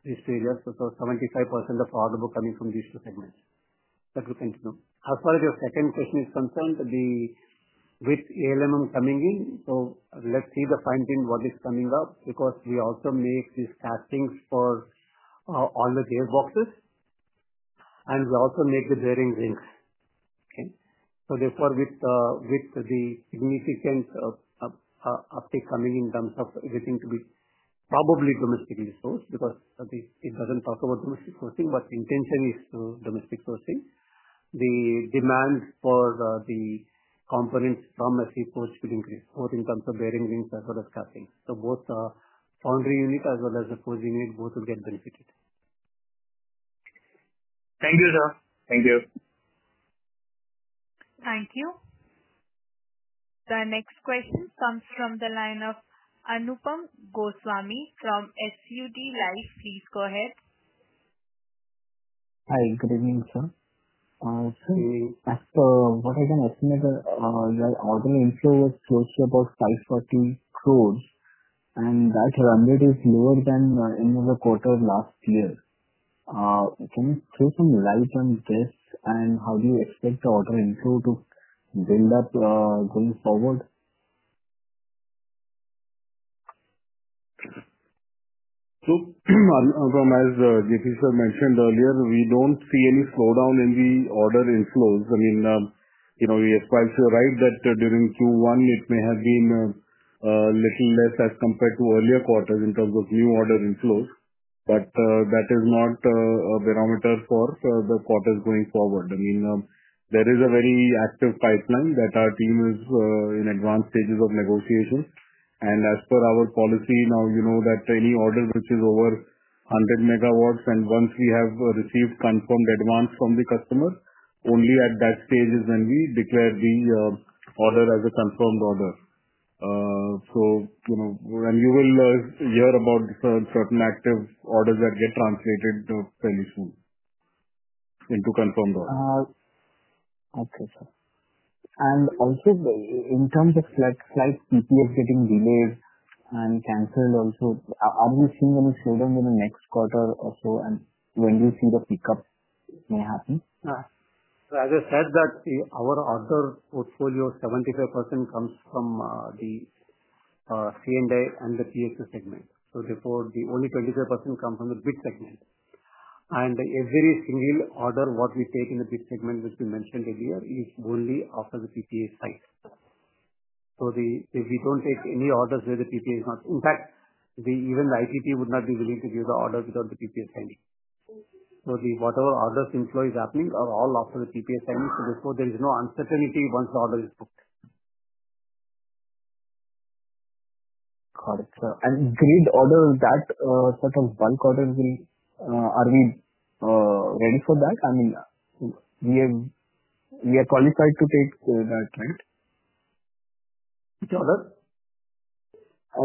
Speaker 1: 75% of order book coming from these two segments. That will continue. As far as your second question is concerned, with ALMM coming in, let's see the fine tune what is coming up. Because we also make castings for all the gearboxes and we also make the bearing rings. Therefore, with the significant uptake, something in terms of everything to be probably domestically sourced. It doesn't talk about domestic sourcing, but intention is to domestic sourcing. The demand for the components from SE Forge to increase both in terms of bearing rings as well as castings. Both foundry unit as well as the forging unit, both will get benefited.
Speaker 11: Thank you sir.
Speaker 1: Thank you.
Speaker 3: Thank you. The next question comes from the line of Anupam Goswami from SUD Life. Please go ahead.
Speaker 12: Hi, good evening sir. What is an estimate of INR 540 crores and that run rate is lower than end of the quarter of last year. Can you throw some lights on this? How do you expect the order intro to build up going forward?
Speaker 2: As J.P. sir mentioned earlier, we don't see any slowdown in the order inflows. I mean, you know right that during Q1 it may have been a little less as compared to earlier quarters in terms of new order inflows. That is not a barometer for the quarters going forward. There is a very active pipeline that our team is in advanced stages of negotiation. As per our policy now, you know that any order which is over 100 MW and once we have received confirmed advance from the customer, only at that stage is when we declare the order as a confirmed order. You will hear about certain active orders that get translated fairly soon into confirmed order.
Speaker 12: Okay sir. Also, in terms of slight PPA is getting delayed and cancelled also are you seeing on the shoulder in the next quarter or so and when do you see the pickup may happen?
Speaker 1: As I said, our author portfolio 75% comes from the C&I and the PSU segments. Therefore, only 25% come from the bid segment. Every single order what we take in the bid segment which we mentioned earlier is only after the PPA is signed. We don't take any orders where the PPA is not. In fact, even the ITP would not be willing to give the order without the PPA signing, so whatever orders employees happening are all after the PPA signing. Therefore, there is no uncertainty once the order is booked,
Speaker 12: Correct and grid order that 1/4 will. Are we ready for that? We have, we are qualified to take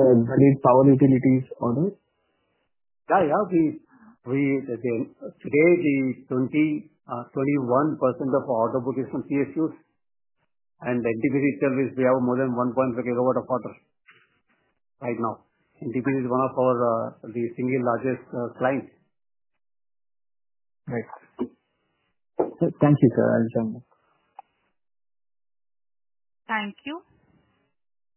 Speaker 12: power utilities on it.
Speaker 1: We today use 20%-21% of order book is from Central and State Utility segments and NTPC service. We have more than 1.3 GW of order right now. Deepen is one of our single largest client.
Speaker 12: Right. Thank you.
Speaker 3: Thank you.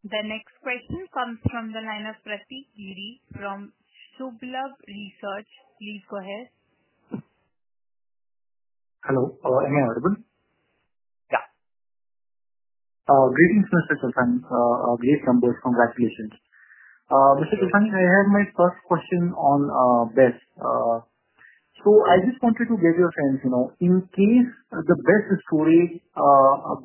Speaker 3: The next question comes from the line of Prateek Giri from Subh Labh Research. Please go ahead.
Speaker 13: Hello. Am I audible?
Speaker 1: Yeah.
Speaker 13: Greetings Mr. Chalasani. Great numbers. Congratulations Mr. Chalasani. I had my first question on BESS so I just wanted to get your sense, you know, in case the BESS story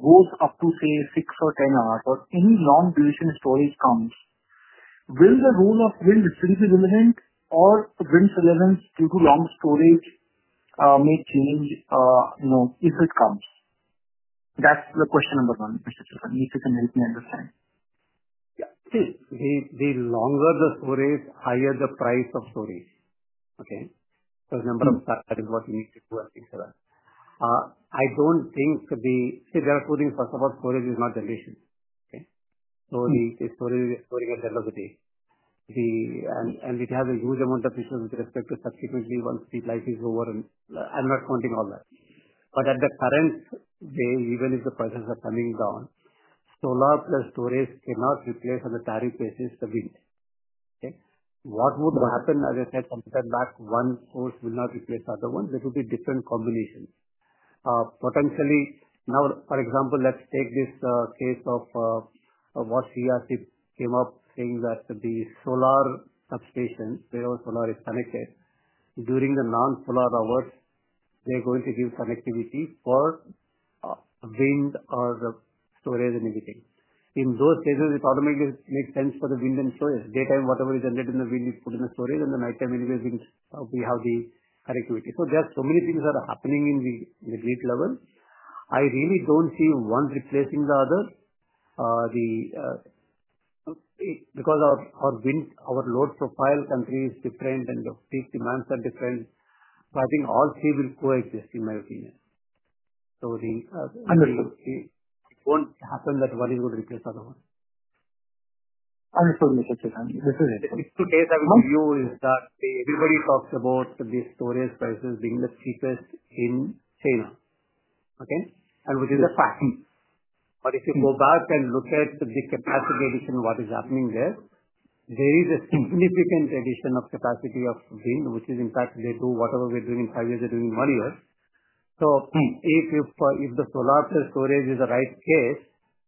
Speaker 13: goes up to say six or 10 hours or any non-lithium storage comes, will the role of wind, since it or wind relevance due to long storage, may change? No, if it counts, that's the question number one if you can help me understand.
Speaker 1: Yeah. See, the longer the storage, higher the price of storage. For example, that is what leads to—I don't think the—see, they are quoting—first of all, storage is not limitless. The story is exploring a velocity and it has a huge amount of issues with respect to subsequently once the flight is over, and I'm not counting all that, but at the current day, even if the prices are coming down, solar-plus-storage cannot replace on the tariff basis the wind. What would happen, as I said, computer back one course will not replace the other one. There will be different combinations potentially. Now, for example, let's take this case of what CRC came up saying that the solar substation is connected during the non-solar hours, they're going to give connectivity for wind or storage and everything. In those cases, it automatically makes sense for the wind and storage. Daytime, whatever is entered in the wind is put in the storage, and the nighttime, anyways, being we have the connectivity. There are so many things that are happening in the lead level. I really don't see one replacing the other. Because our wind, our load profile country is different and these demands are different. I think all three will coexist in my opinion. It won't happen that one is going to replace the other. One view is that everybody talks about this storage prices being the cheapest in China, and which is a fact. If you go back and look at the capacity, what is happening there? There is a significant addition of capacity of wind, which is impact—they do whatever we're doing in five years, they're doing in one year. If the solar storage is the right case,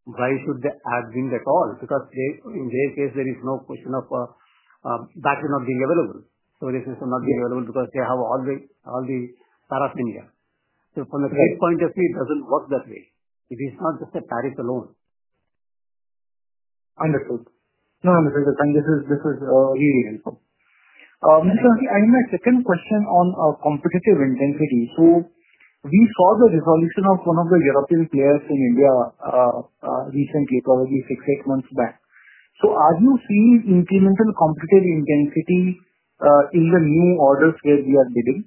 Speaker 1: why should they add wind at all? Because in their case, there is no question of wind not being available. Not being available because they have all the tariffs in here. From the point of view, it doesn't work that way. It is not just a tariff alone.
Speaker 13: Understood. No, this is really helpful. My second question on competitive intensity. We saw the resolution of one of the European players in India recently, probably six, eight months back. Are you seeing incremental competitive intensity in the new orders where we are bidding?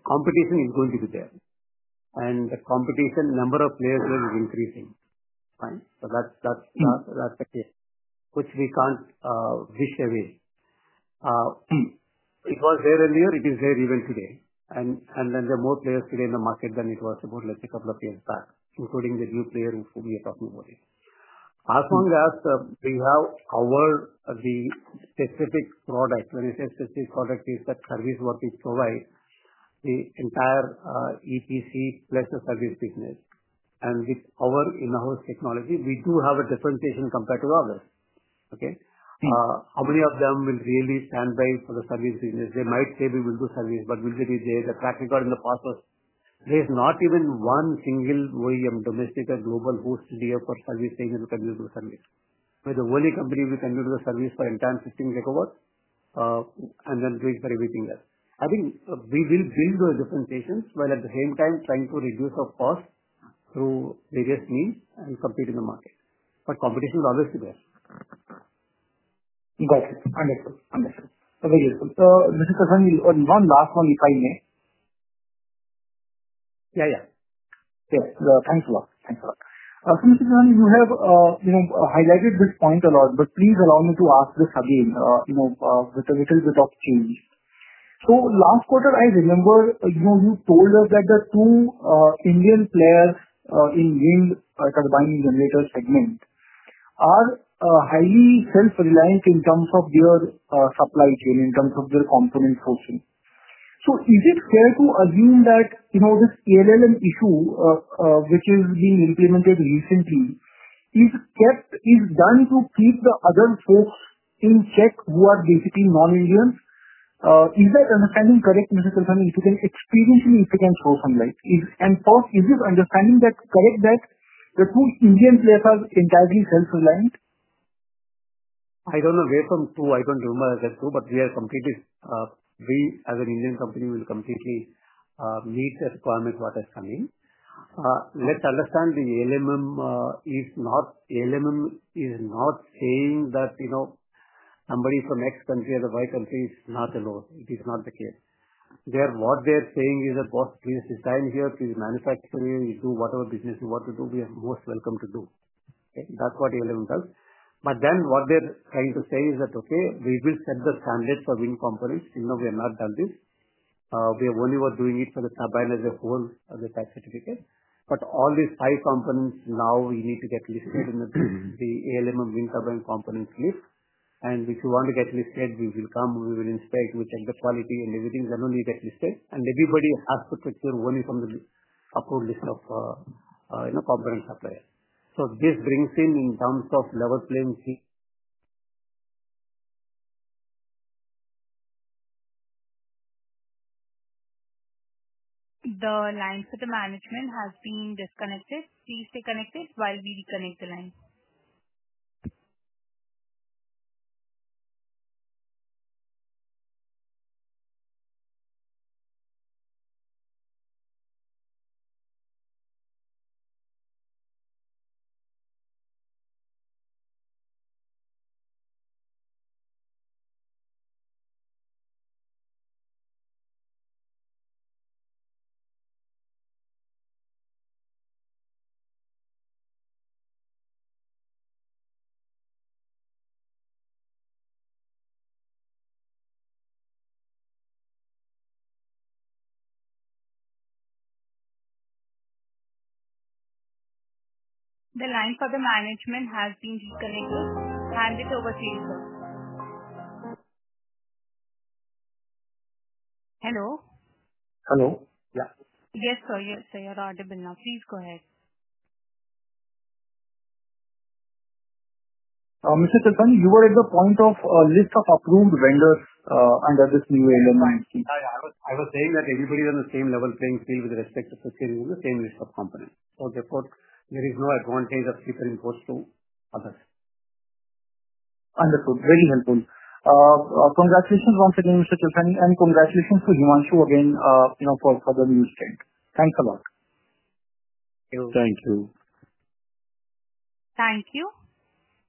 Speaker 1: Competition is going to be there, and the number of players is increasing. That aspect is something we can't wish away. It was there earlier, it is there even today. There are more players in the market than there were, let's say, a couple of years back, including the new player we are talking about. As long as you have the specific product—when you say specific product, it is that service we provide, the entire EPC plus the service business—and with our in-house technology, we do have a differentiation compared to others. How many of them will really stand by for the service business? They might say they will do service, but if you check the track record in the process, there's not even one single OEM, domestic or global, who has a definite offering for service saying that you can use their service. We're the only company that can do the service for the entire 15 GW takeovers and then going for everything else. I think we will build the differentiation while at the same time trying to reduce our cost through various niches and compete in the market. Competition is always there. Yeah, yeah.
Speaker 13: Thanks a lot. Thanks a lot. You have highlighted this point a lot, but please allow me to ask this again, with a little bit of key. Last quarter, I remember you told us the two Indian players in wind turbine generator segment are highly self-reliant in terms of their supply chain, in terms of their component sourcing. Is it fair to assume that this ALMM issue, which is being implemented recently, is done to keep the other folks in check who are basically non-ALMM? Is that understanding correct? Experientially, is this understanding correct, that the two Indian players are entirely self-reliant?
Speaker 1: I don't know where from two, I don't remember, but we are completely, we as an Indian company will completely meet the requirement that are coming. Let's understand, the ALMM is not—ALMM is not saying that, you know, somebody from X country or Y country is not ALMM. It is not the case. What they're saying is that, boss, please manufacture here. Please manufacture. You do whatever business you want to do. You are most welcome to do that. That's what. What they're trying to say is that, okay, we will set the standard for wind components. We have not done this. We only were doing it for the turbine as a whole, as a tax certificate. All these five components now we need to get listed in the ALMM wind components list. If you want to get listed, we will come, we will inspect, we check the quality and everything that listed. Everybody has to take care only from the upward list of component suppliers. This brings in, in terms of level playing. See.
Speaker 3: The line for the management has been disconnected. Please stay connected while we reconnect the line. It. The line for the management has been reconnected. Hand it over to you. Hello?
Speaker 1: Hello? Yeah.
Speaker 3: Yes sir, you're audible now. Please go ahead.
Speaker 13: You were at the point of a list of approved vendors under this new ALMM.
Speaker 1: I was saying that everybody is on the same level playing field with respect to the same list of components. Therefore, there is no advantage of sleeper imports to others.
Speaker 13: Very helpful. Congratulations once again, Mr. And congratulations to Himanshu again, you know, for the new state. Thanks a lot.
Speaker 2: Thank you.
Speaker 3: Thank you.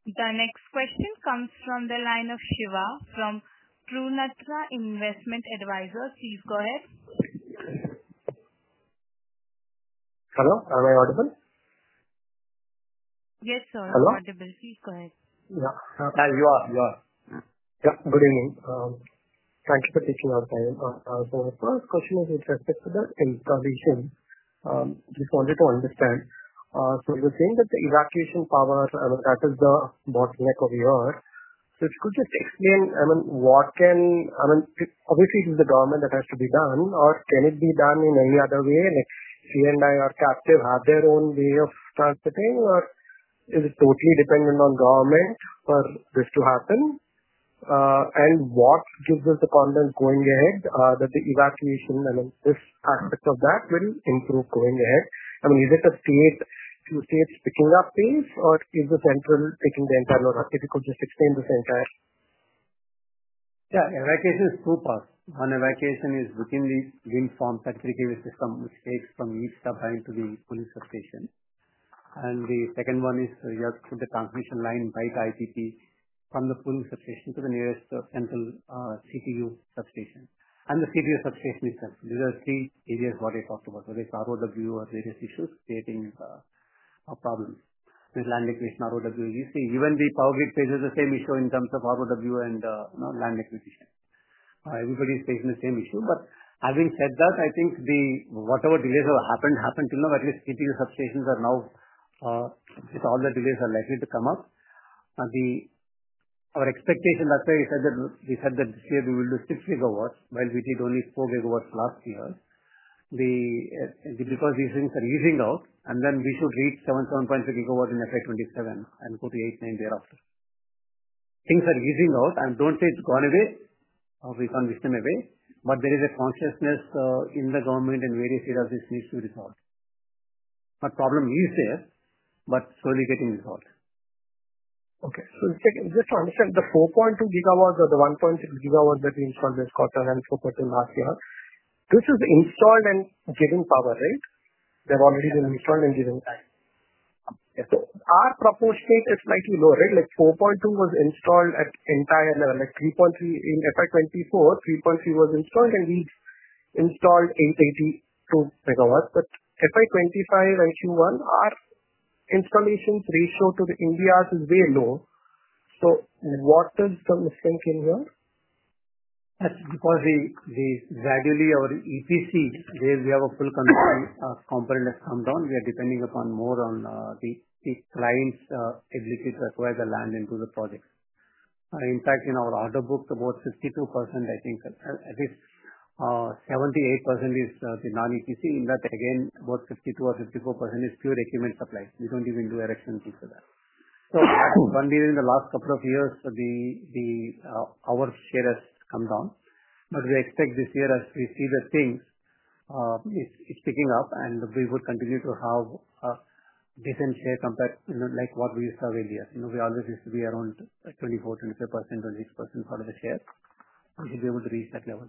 Speaker 3: The next question comes from the line of Shiva from Purnartha Investment Advisors. Please go ahead. Hello. Am I audible? Yes, sir. Audibility is correct. Good evening. Thank you for taking our time. First question is with respect to the installation. Just wanted to understand from the thing that the evacuation powers, that is the bottleneck of yours. Could you explain? I mean, what can I mean. Obviously it is a dormant that has to be done or can it be done in any other way? Like C&I or captive have their own way of transiting or is it totally dependent on government for this to happen? What gives us the content going ahead that the evacuation, I mean this aspect of that will improve going ahead? Is it a state to state before that case or is the central taking the entire sustain this entire?
Speaker 1: In my case, through Pass 1, evacuation is within the uniform 33 cable system which takes from each substation to the police substation. The second one is you have to transmission line by the IPP from the pooling substation to the nearest central CPU substation and the CPU substation. These are three areas what I talked about, this ROW or various issues creating a problem with land acquisition, ROW. You see, even the Power Grid faces the same issue in terms of ROW and land acquisition. Everybody is facing the same issue. Having said that, I think whatever delays have happened, happened to them. At least CTU substations are now, with all the delays, are likely to come up. Our expectation, that's why you said that we said that this year we will do 6 GW while we did only 4 GW last year, because these things are easing out and then we should reach 77.3 GW in FY 2027 and put the H9 thereof. Things are easing out. I don't say it's gone away or we can't wish them away, but there is a consciousness in the government in various areas this needs to be resolved. Problem is there but slowly getting resolved. Okay, so just to understand, the 4.2 GW or the 1.6 GW that we installed this quarter and fourth quarter last year, which is installed and given power, right? They've already been installed and given. Our. Proportionate is slightly lower, right? Like 4.2 was installed at entire level, like 3.3 in FY 2024, 3.3 was installed, indeed installed in 32 megawatts, but FY 2025 and Q1, our installations ratio to India is way low. What is some strength in here? Because gradually our etc., there we have a full country component has come down. We are depending upon more on the clients eligible to acquire the land into the projects. In fact, in our order book, about 52%, I think at least 78% is the non etc. In that, again, about 52% or 54% is pure equipment supplies. We don't even do erection key for that. One day in the last couple of years, our share has come down, but we expect this year, as we see the things, it's picking up, and we would continue to have a decent share compared, like what we saw earlier. We always used to be around 24%-50% or 6% part of the share to be able to reach that level.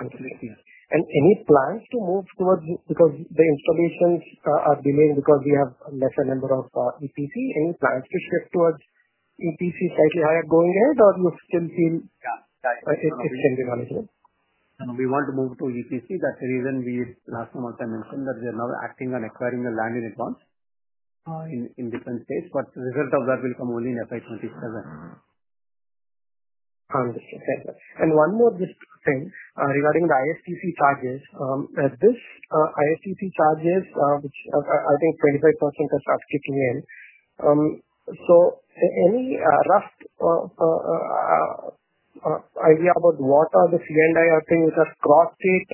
Speaker 1: Absolutely. Any plans to move towards, because the informations are delaying because we have lesser number of ECT, any plans to test for, we want to move to EPC. That's the reason last month I mentioned that we are now acting on acquiring the land in advance in different states, but the result of that will come only in FY 2027. One more thing regarding the ISTS charges. This ISTS charges, which I think 25% can start kicking in. Any rough idea about what are the C&I things which are cross state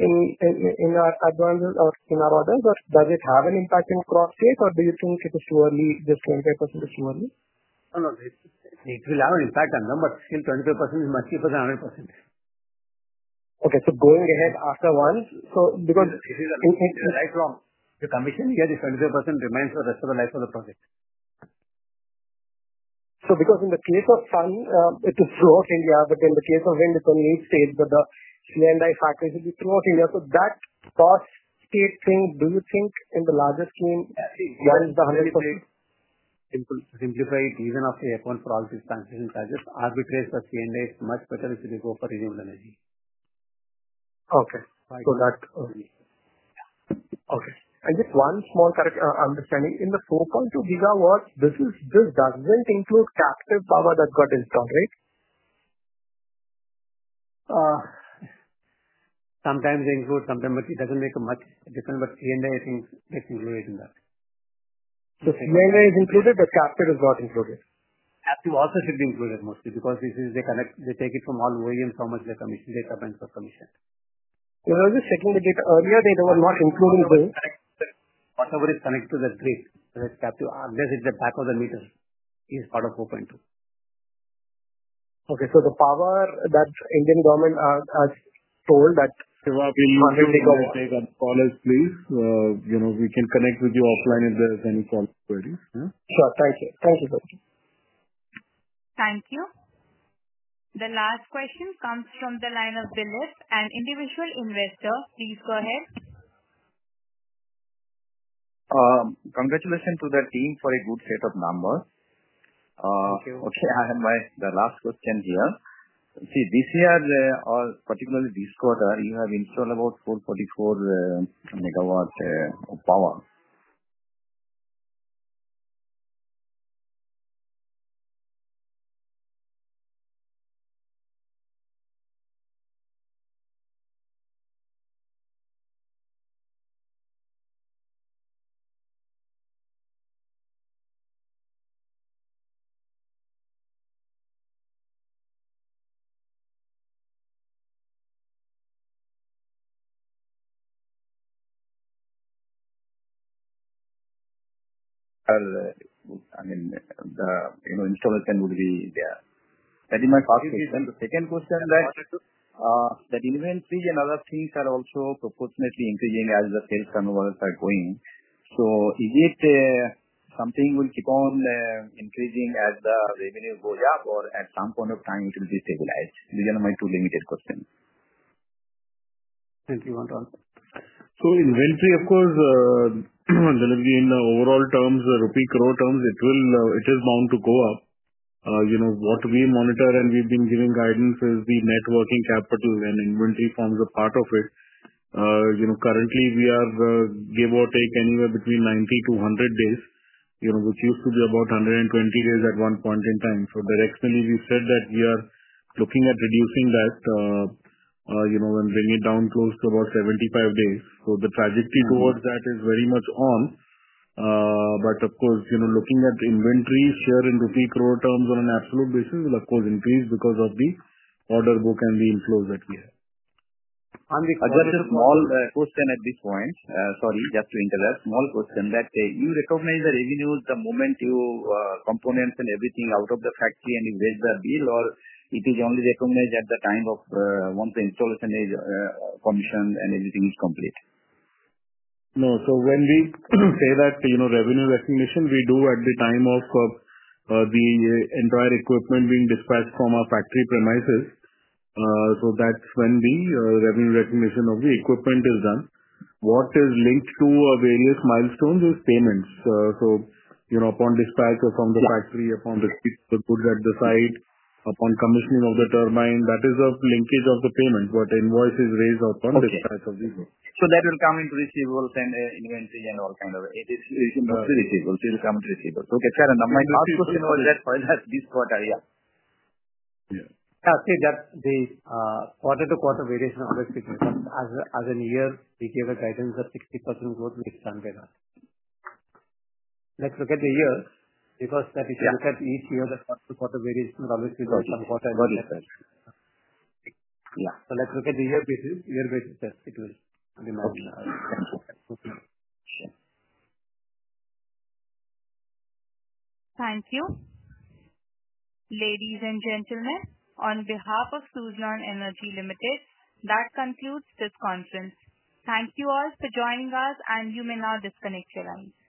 Speaker 1: in our advances or in our orders, or does it have an impact in cross state, or do you think it is surely this 25% is too early. In fact, still 25% is much cheaper than 100%. Going ahead after once, because This is lifelong, remains the rest of the life of the project. In the case of sun, it shows India stage, but the entire factories will be throughout India. That cost state thing, do you think in the larger school, join the scheme. simplify it, even after you account for all these transition targets, because the end is much better if you go for renewable energy. Okay. Just one small character understanding, in the 4.2 GW. This doesn't include captive power that got installed, right? Sometimes they include, sometimes, but it doesn't make a much difference. C&I, I think, they simply is in that, the C&I is included. The captive is not included? Active author should be included. Mostly because this is, they connect, they take it from all OEMs, how much they commission. Data banks are commissioned earlier. They were not including bills connected to the place unless it's the back of the meters as part of 4.2.
Speaker 13: Okay, so the power that the Indian government has told that.
Speaker 2: Call us please. You know we can connect with you offline if there's any call queries. Thank you. Thank you sir.
Speaker 3: Thank you. The last question comes from the line of Bilal, an individual investor. Please go ahead. Congratulations to the team for a good set of numbers. Okay, I have my last question here. This year or particularly this quarter, you have installed about 444 MW of power. The installation would be there. That is my first question. The second question is that the delivery general fees are also proportionately increasing as the sales turnovers are going. Is it something that will keep on increasing as the revenue goes up or at some point of time will it destabilize? These are my two limited questions.
Speaker 2: Thank you. Inventory, of course, in overall terms, in rupee crore terms, is bound to go up. What we monitor and we've been giving guidance on is the net working capital, and inventory forms a part of it. Currently, we are give or take anywhere between 90 to 100 days, which used to be about 120 days at one point in time. Directionally, we said that we are looking at reducing that and bringing it down close to about 75 days. The trajectory towards that is very much on. Looking at inventory share in rupee crore terms on an absolute basis will increase because of the order book and the inflows that we have. Question at this point. Sorry, just to interrupt. Small question: do you recognize the revenues the moment you move components and everything out of the factory and you raise the bill, or is it only recognized at the time of once the installation is commissioned and everything is complete?
Speaker 1: No. When we say that revenue recognition, we do it at the time of the entire equipment being dispatched from our factory premises. That's when the revenue recognition of the equipment is done. What is linked to various milestones is payments. Upon dispatch from the factory, upon commissioning of the turbine, that is a linkage of the payment. What invoice is raised upon price of, so that will come into receivable. Then inventory and all kind of,
Speaker 2: it is receivable to come to receivable.
Speaker 1: Actually, the quarter-to-quarter variation will always be as a new year. We gave a guidance of 60% growth with us look at the years because if you look at each year, the quarter varies, some quarter. Let's look at the year basis, year basis test, it will be mounted.
Speaker 3: Thank you, ladies and gentlemen. On behalf of Suzlon Energy Limited, that concludes this conference. Thank you all for joining us. You may now disconnect your lines.